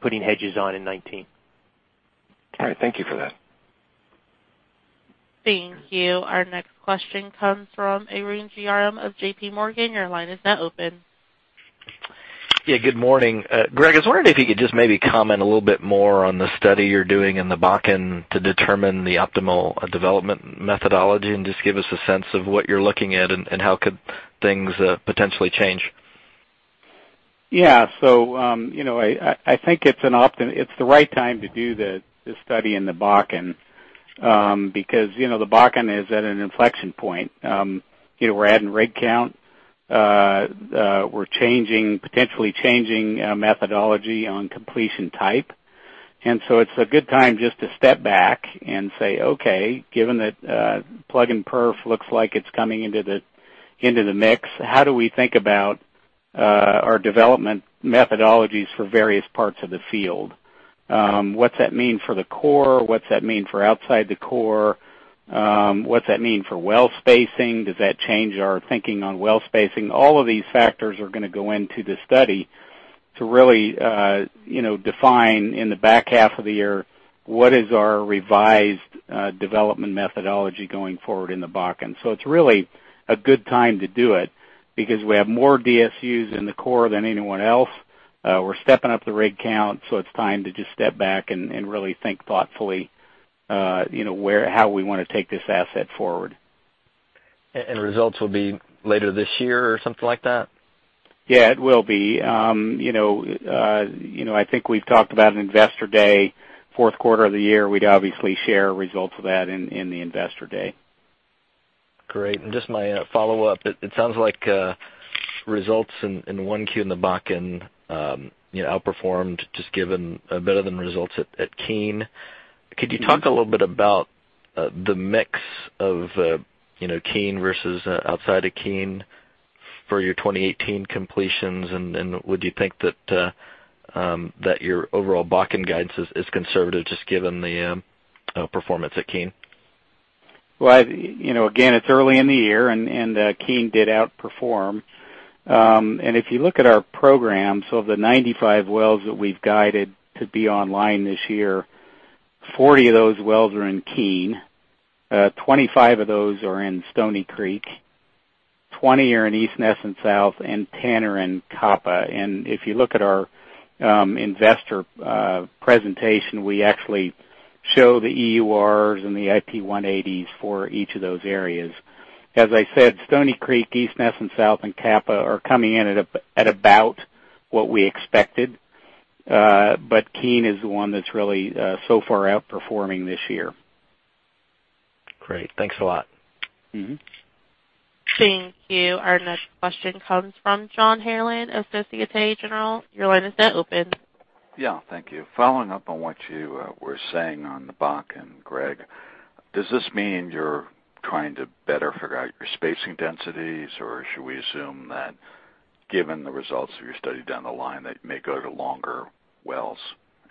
putting hedges on in 2019. All right. Thank you for that. Thank you. Our next question comes from Arun Jayaram of J.P. Morgan. Your line is now open. Yeah. Good morning. Greg, I was wondering if you could just maybe comment a little bit more on the study you're doing in the Bakken to determine the optimal development methodology, and just give us a sense of what you're looking at, and how could things potentially change? Yeah. I think it's the right time to do the study in the Bakken, because the Bakken is at an inflection point. We're adding rig count, we're potentially changing methodology on completion type, and so it's a good time just to step back and say, "Okay, given that plug and perf looks like it's coming into the mix, how do we think about our development methodologies for various parts of the field? What's that mean for the core? What's that mean for outside the core? What's that mean for well spacing? Does that change our thinking on well spacing?" All of these factors are going to go into the study to really define, in the back half of the year, what is our revised development methodology going forward in the Bakken. It's really a good time to do it because we have more DSUs in the core than anyone else. We're stepping up the rig count, so it's time to just step back and really think thoughtfully how we want to take this asset forward. Results will be later this year or something like that? Yeah, it will be. I think we've talked about an investor day, fourth quarter of the year. We'd obviously share results of that in the investor day. Great. Just my follow-up. It sounds like results in 1Q in the Bakken outperformed, just given better than results at Keene. Could you talk a little bit about the mix of Keene versus outside of Keene for your 2018 completions, and would you think that your overall Bakken guidance is conservative, just given the performance at Keene? Well, again, it's early in the year, Keene did outperform. If you look at our programs, of the 95 wells that we've guided to be online this year, 40 of those wells are in Keene, 25 of those are in Stony Creek, 20 are in East Nesson South, and 10 are in Kappa. If you look at our investor presentation, we actually show the EURs and the IP180s for each of those areas. As I said, Stony Creek, East Nesson South, and Kappa are coming in at about what we expected. Keene is the one that's really so far outperforming this year. Great. Thanks a lot. Thank you. Our next question comes from John Halen of Société Générale. Your line is now open. Yeah. Thank you. Following up on what you were saying on the Bakken, Greg, does this mean you're trying to better figure out your spacing densities, or should we assume that given the results of your study down the line, that you may go to longer wells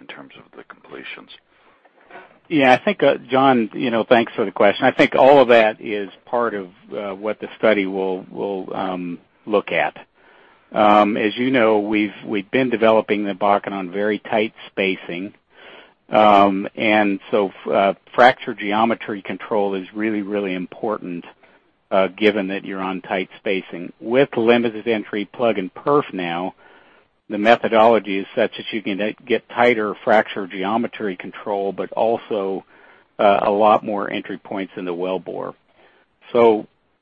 in terms of the completions? Yeah. John, thanks for the question. I think all of that is part of what the study will look at. As you know, we've been developing the Bakken on very tight spacing. Fracture geometry control is really, really important, given that you're on tight spacing. With limited entry plug and perf now, the methodology is such that you can get tighter fracture geometry control, but also a lot more entry points in the wellbore.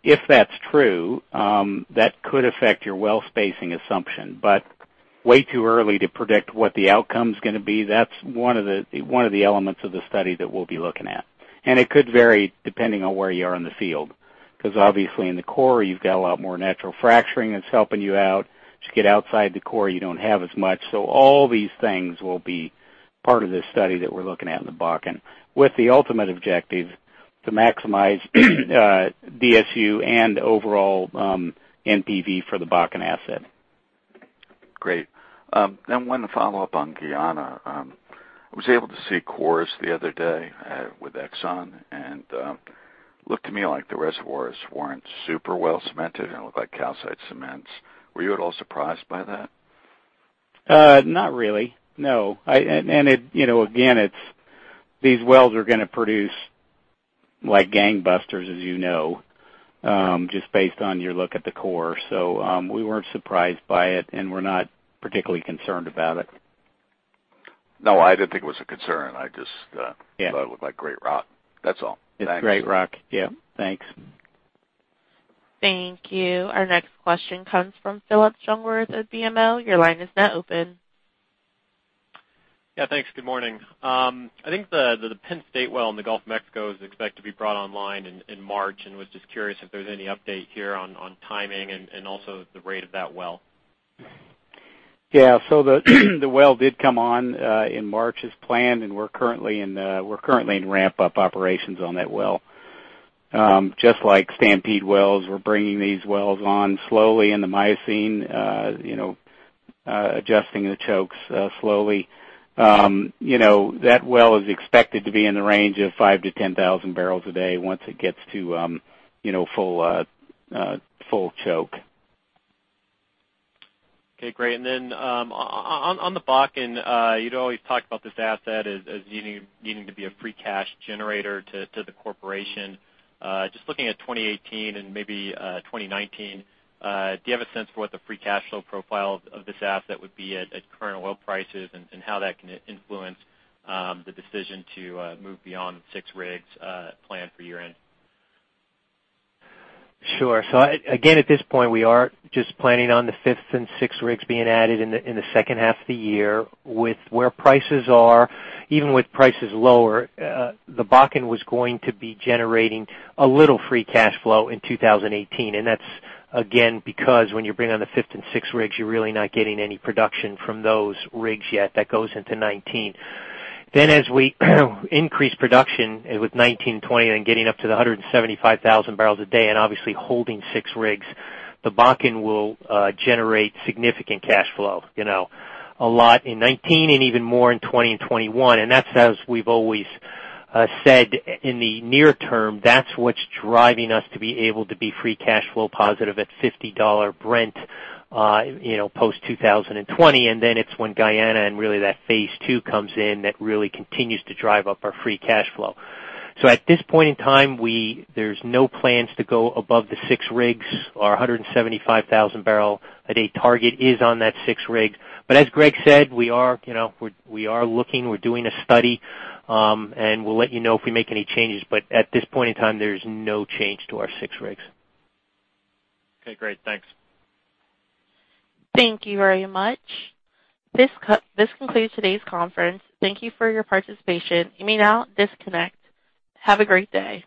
If that's true, that could affect your well spacing assumption, but way too early to predict what the outcome's going to be. That's one of the elements of the study that we'll be looking at. It could vary depending on where you are in the field. Obviously in the core, you've got a lot more natural fracturing that's helping you out. As you get outside the core, you don't have as much. All these things will be part of this study that we're looking at in the Bakken, with the ultimate objective to maximize DSU and overall NPV for the Bakken asset. Great. One follow-up on Guyana. I was able to see cores the other day with Exxon, and looked to me like the reservoirs weren't super well cemented. It looked like calcite cements. Were you at all surprised by that? Not really, no. Again, these wells are going to produce like gangbusters as you know, just based on your look at the core. We weren't surprised by it, and we're not particularly concerned about it. No, I didn't think it was a concern. Yeah thought it looked like great rock. That's all. Thanks. It's great rock. Yeah. Thanks. Thank you. Our next question comes from Philip Chung-Worth of BMO. Your line is now open. Yeah, thanks. Good morning. I think the Penn State well in the Gulf of Mexico is expected to be brought online in March, was just curious if there's any update here on timing and also the rate of that well. Yeah. The well did come on in March as planned, and we're currently in ramp-up operations on that well. Just like Stampede wells, we're bringing these wells on slowly in the Miocene, adjusting the chokes slowly. That well is expected to be in the range of 5,000 to 10,000 barrels a day once it gets to full choke. Okay, great. On the Bakken, you'd always talk about this asset as needing to be a free cash generator to the corporation. Just looking at 2018 and maybe 2019, do you have a sense for what the free cash flow profile of this asset would be at current oil prices, and how that can influence the decision to move beyond six rigs planned for year-end? Sure. Again, at this point, we are just planning on the fifth and sixth rigs being added in the second half of the year. With where prices are, even with prices lower, the Bakken was going to be generating a little free cash flow in 2018. That's, again, because when you bring on the fifth and sixth rigs, you're really not getting any production from those rigs yet. That goes into 2019. As we increase production with 2019 and 2020, and getting up to the 175,000 barrels a day, and obviously holding six rigs, the Bakken will generate significant cash flow. A lot in 2019 and even more in 2020 and 2021. That's as we've always said in the near term, that's what's driving us to be able to be free cash flow positive at $50 Brent, post 2020. It's when Guyana and really that phase two comes in, that really continues to drive up our free cash flow. At this point in time, there's no plans to go above the six rigs. Our 175,000 barrel a day target is on that six rigs. As Greg said, we are looking, we're doing a study, and we'll let you know if we make any changes. At this point in time, there's no change to our six rigs. Okay, great. Thanks. Thank you very much. This concludes today's conference. Thank you for your participation. You may now disconnect. Have a great day.